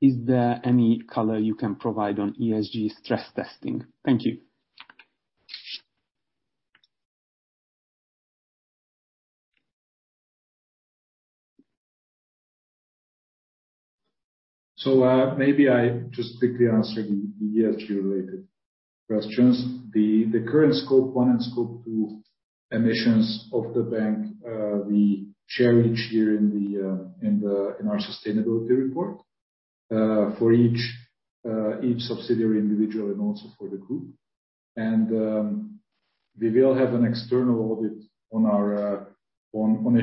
Is there any color you can provide on ESG stress testing? Thank you. Maybe I just quickly answer the ESG related questions. The current Scope 1 and Scope 2 emissions of the bank we share each year in our sustainability report for each subsidiary individual and also for the group. We will have an external audit on our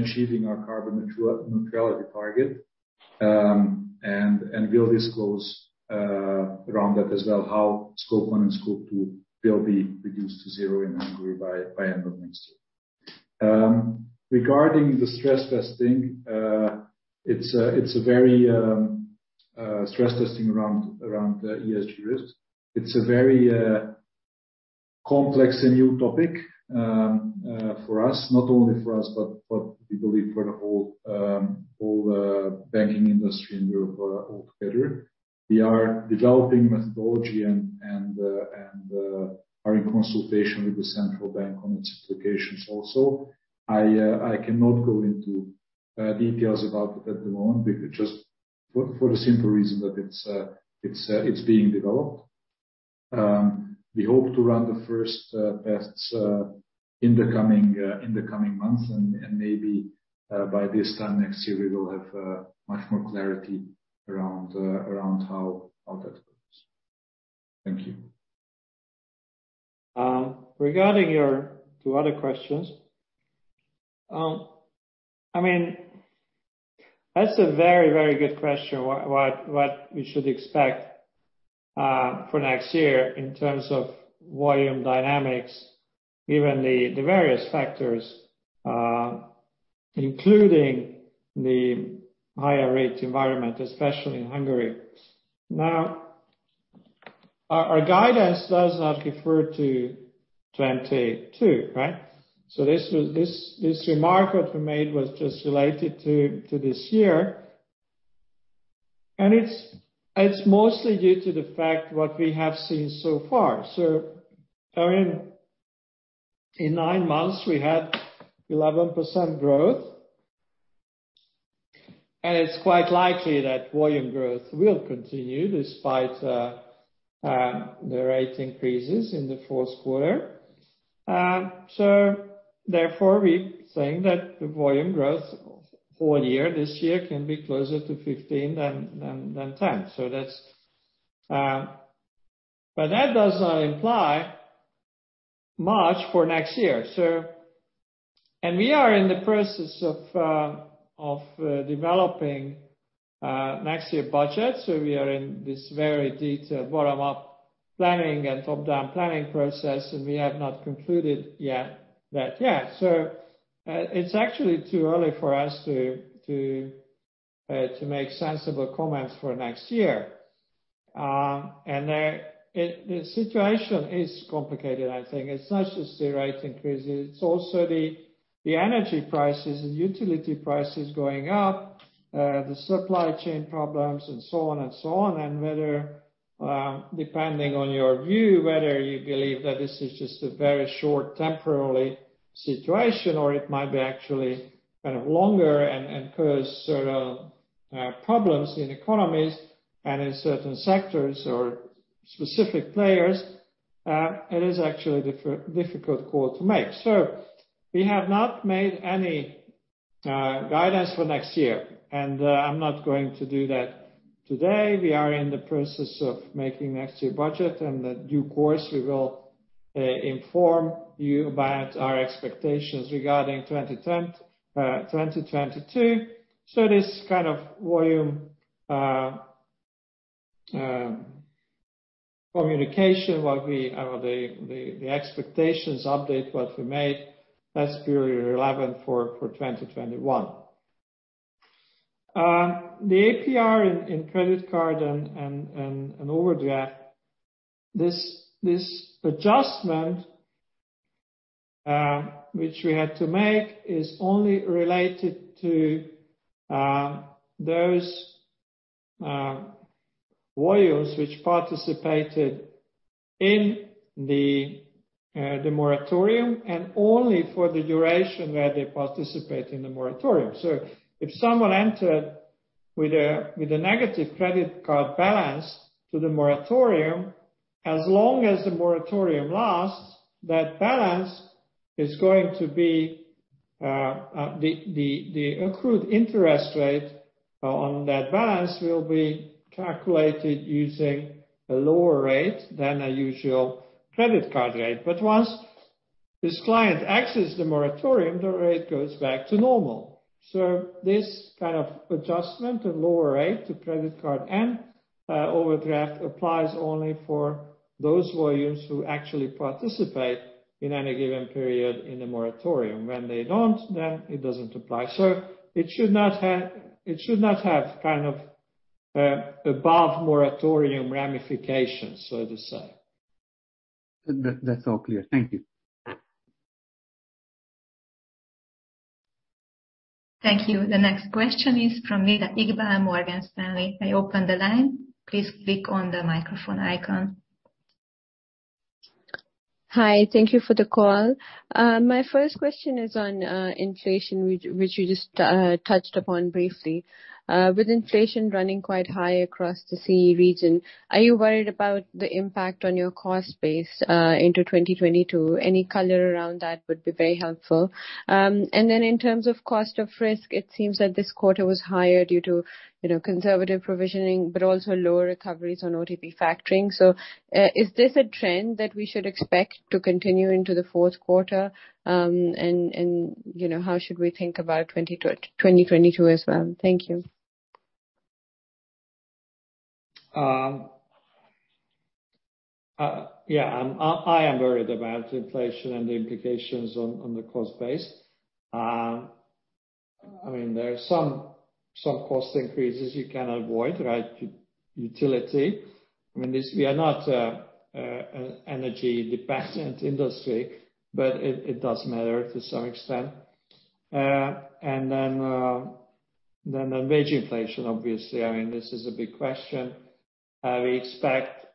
achieving our carbon neutrality target. We'll disclose around that as well, how Scope 1 and Scope 2 will be reduced to zero in Hungary by end of next year. Regarding the stress testing, it's a very stress testing around ESG risk. It's a very complex and new topic for us. Not only for us, but we believe for the whole banking industry in Europe all together. We are developing methodology and are in consultation with the central bank on its implications also. I cannot go into details about it at the moment because just for the simple reason that it's being developed. We hope to run the first tests in the coming months and maybe by this time next year we will have much more clarity around how that works. Thank you. Regarding your two other questions. I mean, that's a very, very good question, what we should expect for next year in terms of volume dynamics, given the various factors, including the higher rate environment, especially in Hungary. Now, our guidance does not refer to 2022, right? This remark that we made was just related to this year. It's mostly due to the fact what we have seen so far. I mean, in nine months we had 11% growth. It's quite likely that volume growth will continue despite the rate increases in the Q4. Therefore, we think that the volume growth full year this year can be closer to 15 than 10. That does not imply much for next year. We are in the process of developing next year budget, so we are in this very detailed bottom-up planning and top-down planning process, and we have not concluded that yet. It's actually too early for us to make sensible comments for next year. The situation is complicated, I think. It's not just the rate increases, it's also the energy prices and utility prices going up, the supply chain problems and so on and so on. Whether, depending on your view, whether you believe that this is just a very short temporary situation or it might be actually kind of longer and cause certain problems in economies and in certain sectors or specific players, it is actually difficult call to make. We have not made any guidance for next year, I'm not going to do that today. We are in the process of making next year budget and the due course we will inform you about our expectations regarding 2022. This kind of volume communication what we made, that's purely relevant for 2021. The APR in credit card and overdraft, this adjustment which we had to make is only related to those volumes which participated in the moratorium and only for the duration that they participate in the moratorium. If someone entered with a negative credit card balance to the moratorium, as long as the moratorium lasts, that balance is going to be, the accrued interest rate on that balance will be calculated using a lower rate than a usual credit card rate. But once this client exits the moratorium, the rate goes back to normal. This kind of adjustment of lower rate to credit card and overdraft applies only for those volumes who actually participate in any given period in the moratorium. When they don't, then it doesn't apply. It should not have, it should not have kind of, above moratorium ramifications, so to say. That's all clear. Thank you. Thank you. The next question is from Nida Iqbal, Morgan Stanley. I open the line. Please click on the microphone icon. Hi. Thank you for the call. My first question is on inflation which you just touched upon briefly. With inflation running quite high across the CE region, are you worried about the impact on your cost base into 2022? Any color around that would be very helpful. In terms of cost of risk, it seems that this quarter was higher due to, you know, conservative provisioning, but also lower recoveries on OTP Faktoring. Is this a trend that we should expect to continue into the Q4? You know, how should we think about 2022 as well? Thank you. I am worried about inflation and the implications on the cost base. I mean, there are some cost increases you cannot avoid, right? Utility. I mean, we are not energy dependent industry, but it does matter to some extent. The wage inflation, obviously. I mean, this is a big question. We expect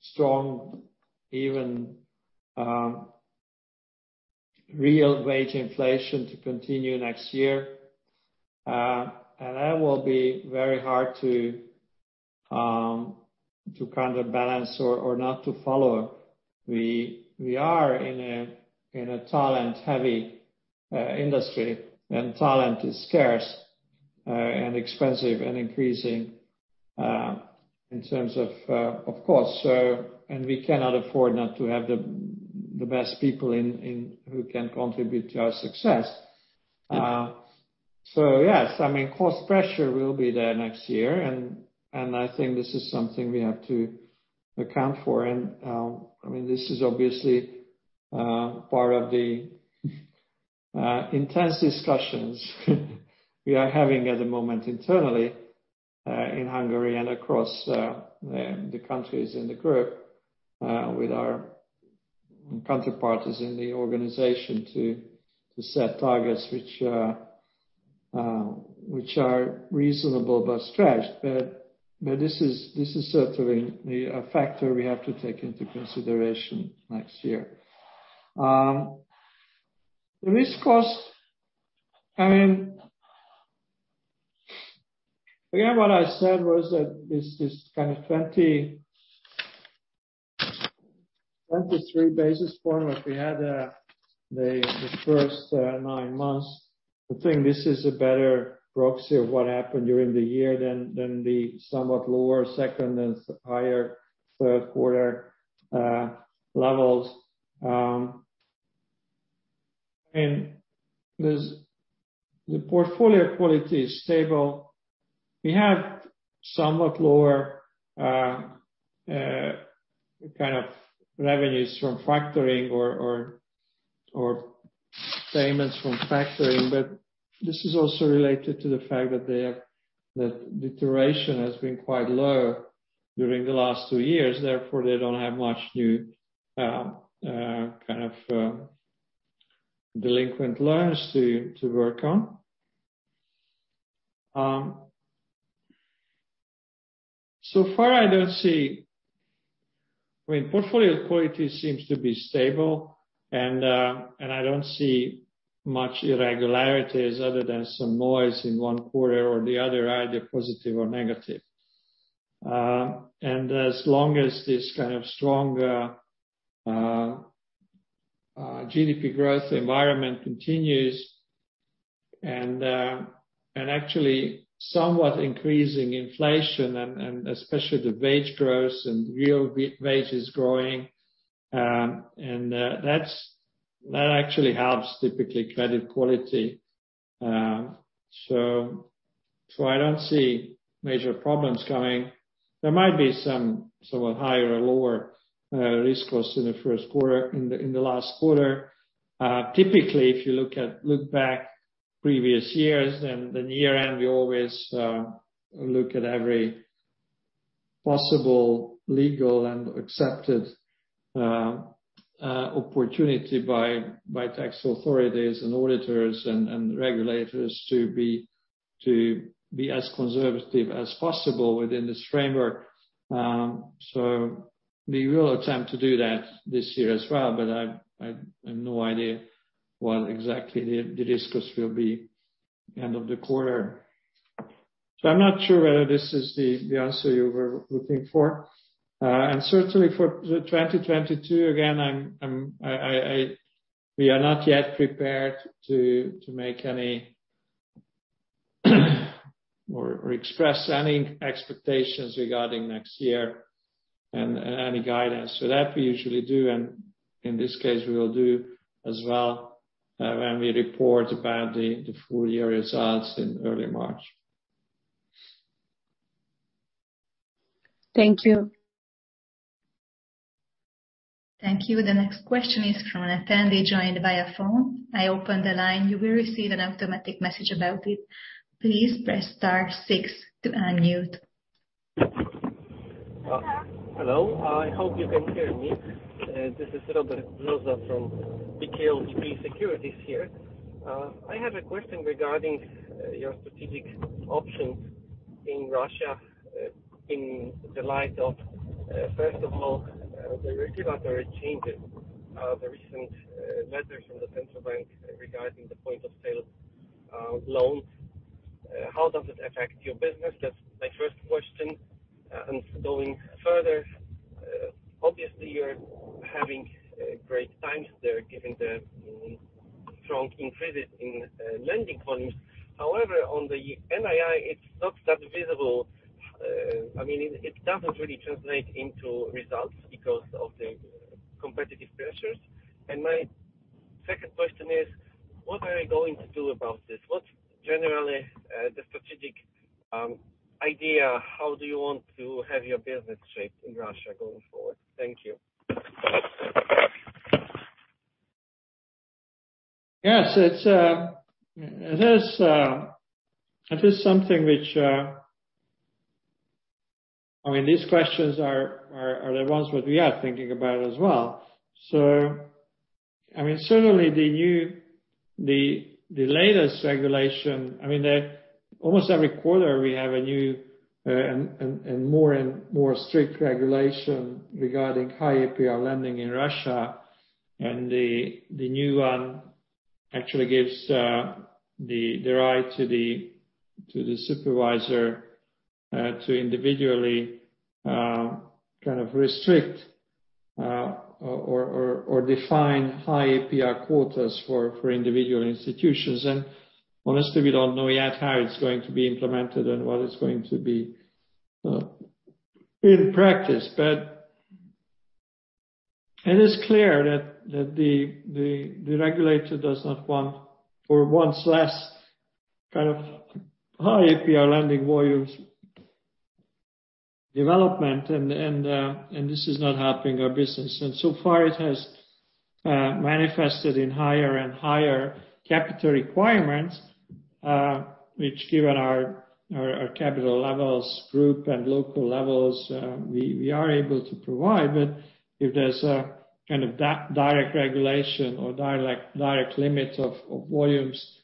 strong even real wage inflation to continue next year. And that will be very hard to kind of balance or not to follow. We are in a talent heavy industry, and talent is scarce and expensive and increasing in terms of cost. We cannot afford not to have the best people who can contribute to our success. Yes, I mean, cost pressure will be there next year and I think this is something we have to account for. I mean, this is obviously part of the intense discussions we are having at the moment internally in Hungary and across the countries in the group with our counterparts in the organization to set targets which are reasonable but stretched. But this is certainly a factor we have to take into consideration next year. The risk cost, I mean, again, what I said was that this is kind of 20-23 basis points what we had the first nine months. I think this is a better proxy of what happened during the year than the somewhat lower second and higher Q3 levels. The portfolio quality is stable. We have somewhat lower, kind of revenues from factoring or payments from factoring. This is also related to the fact that the duration has been quite low during the last two years, therefore, they don't have much new, delinquent loans to work on. So far I don't see, I mean, portfolio quality seems to be stable, and I don't see much irregularities other than some noise in one quarter or the other, either positive or negative. As long as this kind of stronger GDP growth environment continues and actually somewhat increasing inflation and especially the wage growth and real wage is growing, that actually helps typically credit quality. I don't see major problems coming. There might be some somewhat higher or lower risk costs in the last quarter. Typically, if you look back previous years and the year-end, we always look at every possible legal and accepted opportunity by tax authorities and auditors and regulators to be as conservative as possible within this framework. We will attempt to do that this year as well, but I've no idea what exactly the risk cost will be end of the quarter. I'm not sure whether this is the answer you were looking for. We are not yet prepared to make any or express any expectations regarding next year and any guidance. That we usually do and in this case we will do as well, when we report about the full year results in early March. Thank you. Thank you. The next question is from an attendee joined via phone. I open the line. You will receive an automatic message about it. Please press star six to unmute. Hello. I hope you can hear me. This is Robert Brzoza from PKO BP Securities here. I have a question regarding your strategic options in Russia, in light of, first of all, the regulatory changes, the recent letters from the central bank regarding the point of sale loans. How does it affect your business? That's my first question. Going further, obviously you're having great times there given the strong increase in lending volumes. However, on the NII, it's not that visible. I mean, it doesn't really translate into results because of the competitive pressures. Second question is, what are you going to do about this? What's generally, the strategic idea, how do you want to have your business shaped in Russia going forward? Thank you. Yes. It is something which. I mean, these questions are the ones what we are thinking about as well. I mean, certainly the latest regulation, I mean, almost every quarter we have a new, and more and more strict regulation regarding high APR lending in Russia. The new one actually gives the right to the supervisor, to individually, kind of restrict, or define high APR quotas for individual institutions. Honestly, we don't know yet how it's going to be implemented and what it's going to be, in practice. It is clear that the regulator does not want or wants less kind of high APR lending volumes development and this is not helping our business. So far it has manifested in higher and higher capital requirements, which given our capital levels, group and local levels, we are able to provide. If there's a kind of direct regulation or direct limit of volumes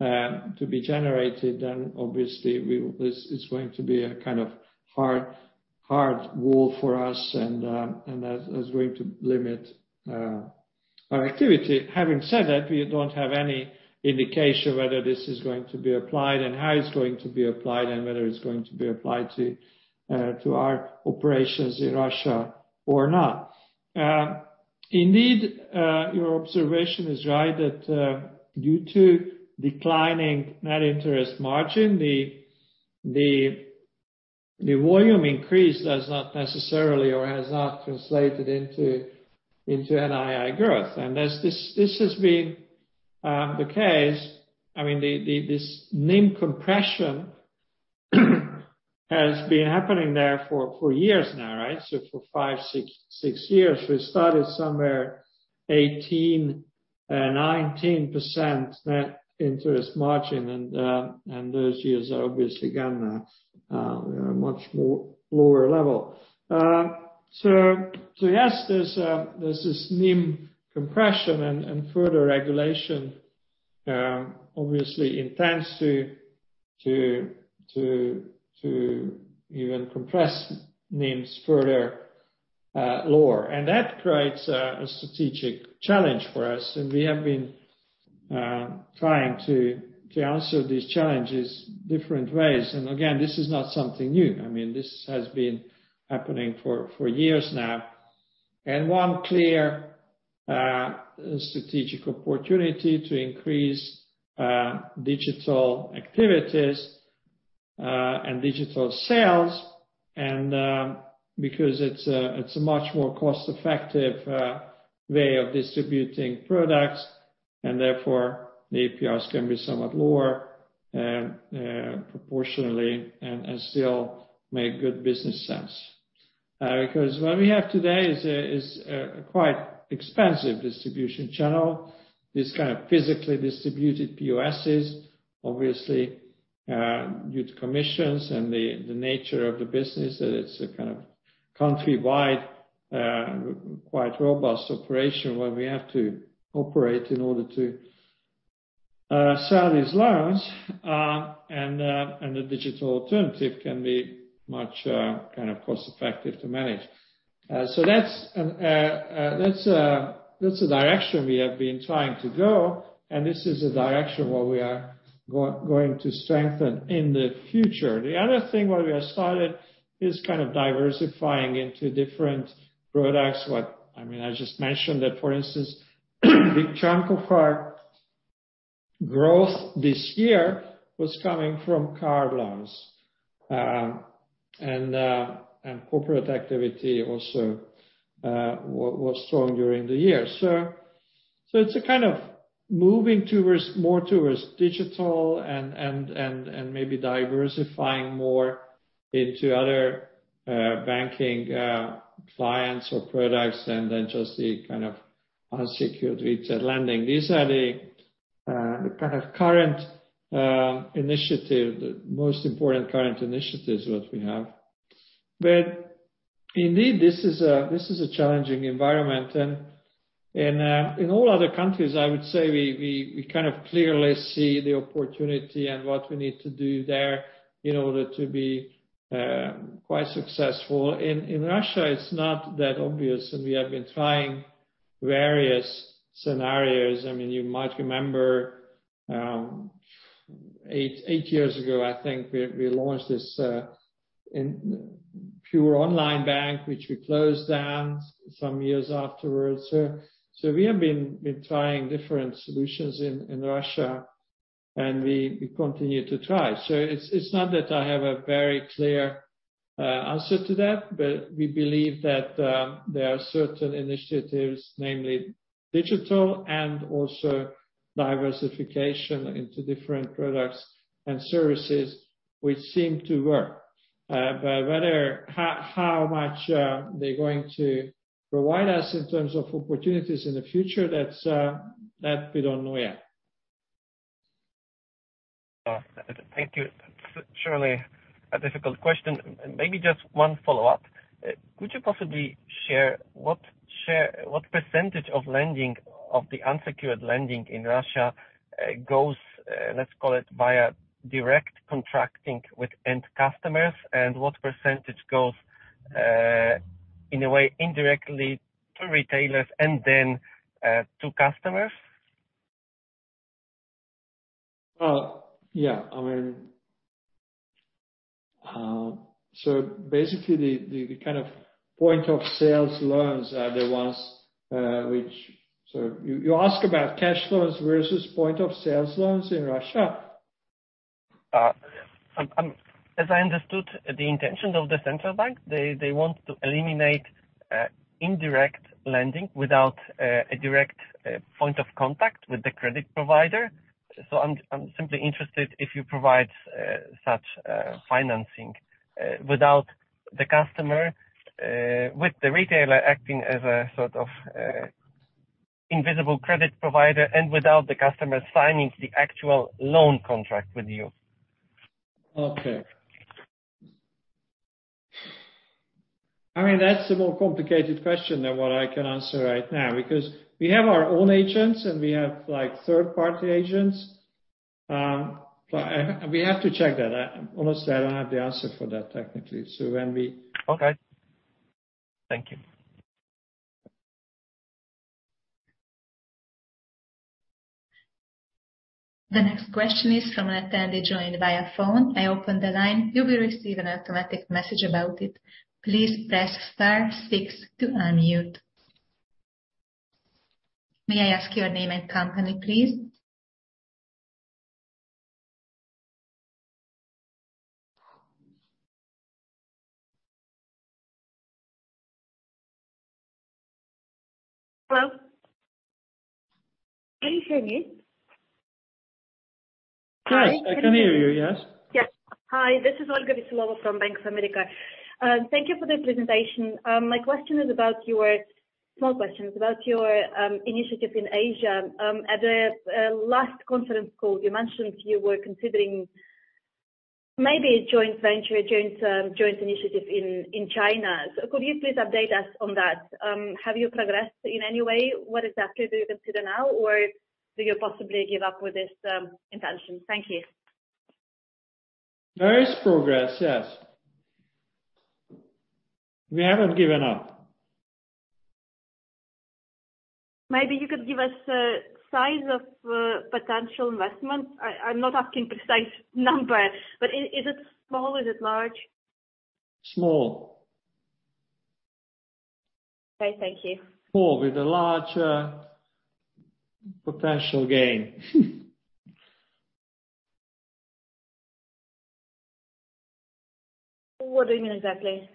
to be generated, then obviously this is going to be a kind of hard wall for us and that is going to limit our activity. Having said that, we don't have any indication whether this is going to be applied and how it's going to be applied, and whether it's going to be applied to our operations in Russia or not. Indeed, your observation is right that due to declining net interest margin, the volume increase does not necessarily or has not translated into NII growth. This has been the case. I mean this NIM compression has been happening there for years now, right? For 5-6 years. We started somewhere 18%, 19% net interest margin. Those years are obviously gone now. We are much more lower level. Yes, there's this NIM compression and further regulation obviously intends to even compress NIMs further lower. That creates a strategic challenge for us. We have been trying to answer these challenges different ways. Again, this is not something new. I mean, this has been happening for years now. One clear strategic opportunity to increase digital activities and digital sales because it's a much more cost-effective way of distributing products, and therefore the APRs can be somewhat lower and proportionally and still make good business sense. Because what we have today is a quite expensive distribution channel. These kind of physically distributed POSs, obviously, due to commissions and the nature of the business, that it's a kind of countrywide, quite robust operation where we have to operate in order to sell these loans. The digital alternative can be much kind of cost-effective to manage. That's the direction we have been trying to go, and this is the direction where we are going to strengthen in the future. The other thing where we have started is kind of diversifying into different products. I mean, I just mentioned that, for instance, big chunk of our growth this year was coming from car loans. Corporate activity also was strong during the year. It's a kind of moving towards, more towards digital and maybe diversifying more into other banking clients or products than just the kind of unsecured retail lending. These are the kind of current initiative, the most important current initiatives that we have. Indeed, this is a challenging environment. In all other countries, I would say we kind of clearly see the opportunity and what we need to do there in order to be quite successful. In Russia, it's not that obvious, and we have been trying various scenarios. I mean, you might remember, eight years ago, I think we launched this in pure online bank, which we closed down some years afterwards. We have been trying different solutions in Russia. We continue to try. It's not that I have a very clear answer to that, but we believe that there are certain initiatives, namely digital and also diversification into different products and services which seem to work. How, how much they're going to provide us in terms of opportunities in the future, that's that we don't know yet. Thank you. It's surely a difficult question. Maybe just one follow-up. Could you possibly share what percentage of lending, of the unsecured lending in Russia, goes, let's call it via direct contracting with end customers? What percentage goes, in a way indirectly to retailers and then, to customers? Yeah. I mean so basically the kind of point of sale loans are the ones. You ask about cash loans versus point of sale loans in Russia? As I understood the intention of the central bank, they want to eliminate indirect lending without a direct point of contact with the credit provider. I'm simply interested if you provide such financing without the customer, with the retailer acting as a sort of invisible credit provider and without the customer signing the actual loan contract with you? Okay. I mean, that's a more complicated question than what I can answer right now because we have our own agents and we have like third-party agents. We have to check that. I almost said I don't have the answer for that technically. Okay. Thank you. The next question is from an attendee joined via phone. I open the line. May I ask your name and company, please? Hello? Can you hear me? Yes, I can hear you. Yes. Yes. Hi, this is Olga Bespalova from Bank of America. Thank you for the presentation. My question is about your small question. It's about your initiative in Asia. At the last conference call, you mentioned you were considering maybe a joint venture, a joint initiative in China. Could you please update us on that? Have you progressed in any way? What exactly do you consider now or do you possibly give up with this intention? Thank you. There is progress, yes. We haven't given up. Maybe you could give us the size of potential investment. I'm not asking precise number, but is it small? Is it large? Small. Okay, thank you. Small with a large, potential gain. What do you mean exactly?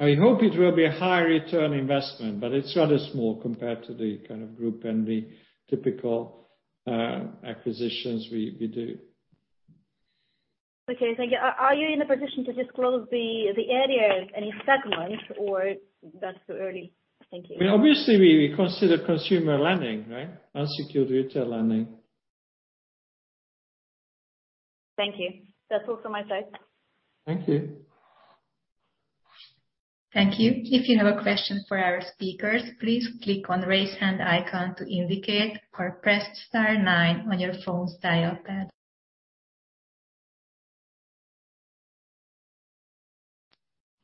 I hope it will be a high return investment, but it's rather small compared to the kind of group and the typical acquisitions we do. Okay, thank you. Are you in a position to disclose the area, any segment, or that's too early? Thank you. Obviously, we consider consumer lending, right? Unsecured retail lending. Thank you. That's all from my side. Thank you. Thank you. If you have a question for our speakers, please click on Raise Hand icon to indicate or press star nine on your phone's dial pad.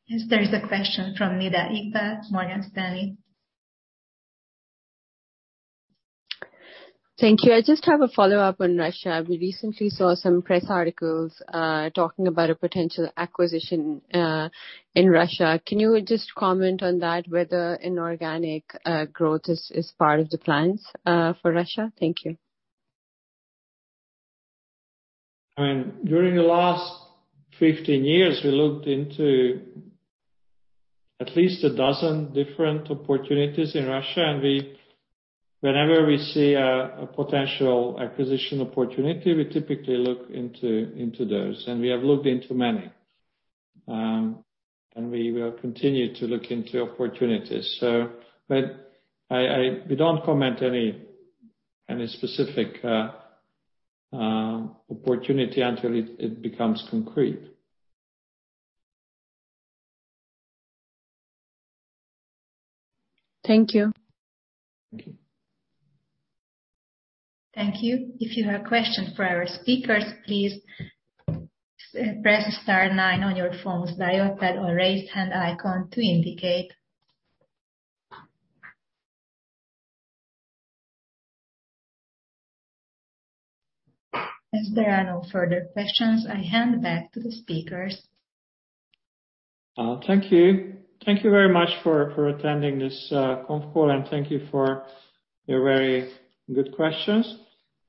Yes, there is a question from Nida Iqbal, Morgan Stanley. Thank you. I just have a follow-up on Russia. We recently saw some press articles, talking about a potential acquisition, in Russia. Can you just comment on that whether inorganic, growth is part of the plans, for Russia? Thank you. I mean, during the last 15 years, we looked into at least a dozen different opportunities in Russia. Whenever we see a potential acquisition opportunity, we typically look into those, and we have looked into many. We will continue to look into opportunities. We don't comment any specific opportunity until it becomes concrete. Thank you. Thank you. Thank you. If you have questions for our speakers, please press star nine on your phone's dial pad or raise hand icon to indicate. As there are no further questions, I hand back to the speakers. Thank you. Thank you very much for attending this conf call, and thank you for your very good questions.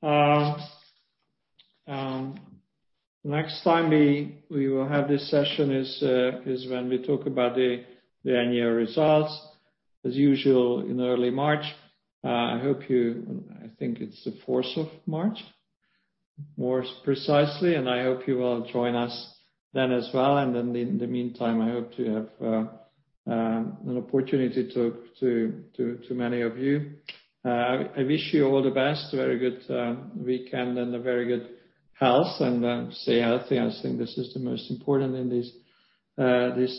Next time we will have this session is when we talk about the annual results as usual in early March. I think it's the fourth of March, more precisely, and I hope you will join us then as well. In the meantime, I hope to have an opportunity to many of you. I wish you all the best, very good weekend and a very good health and stay healthy. I think this is the most important in these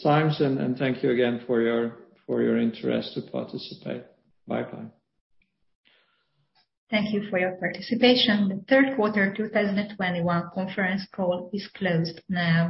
times. Thank you again for your interest to participate. Bye-bye. Thank you for your participation. The Q3 2021 conference call is closed now.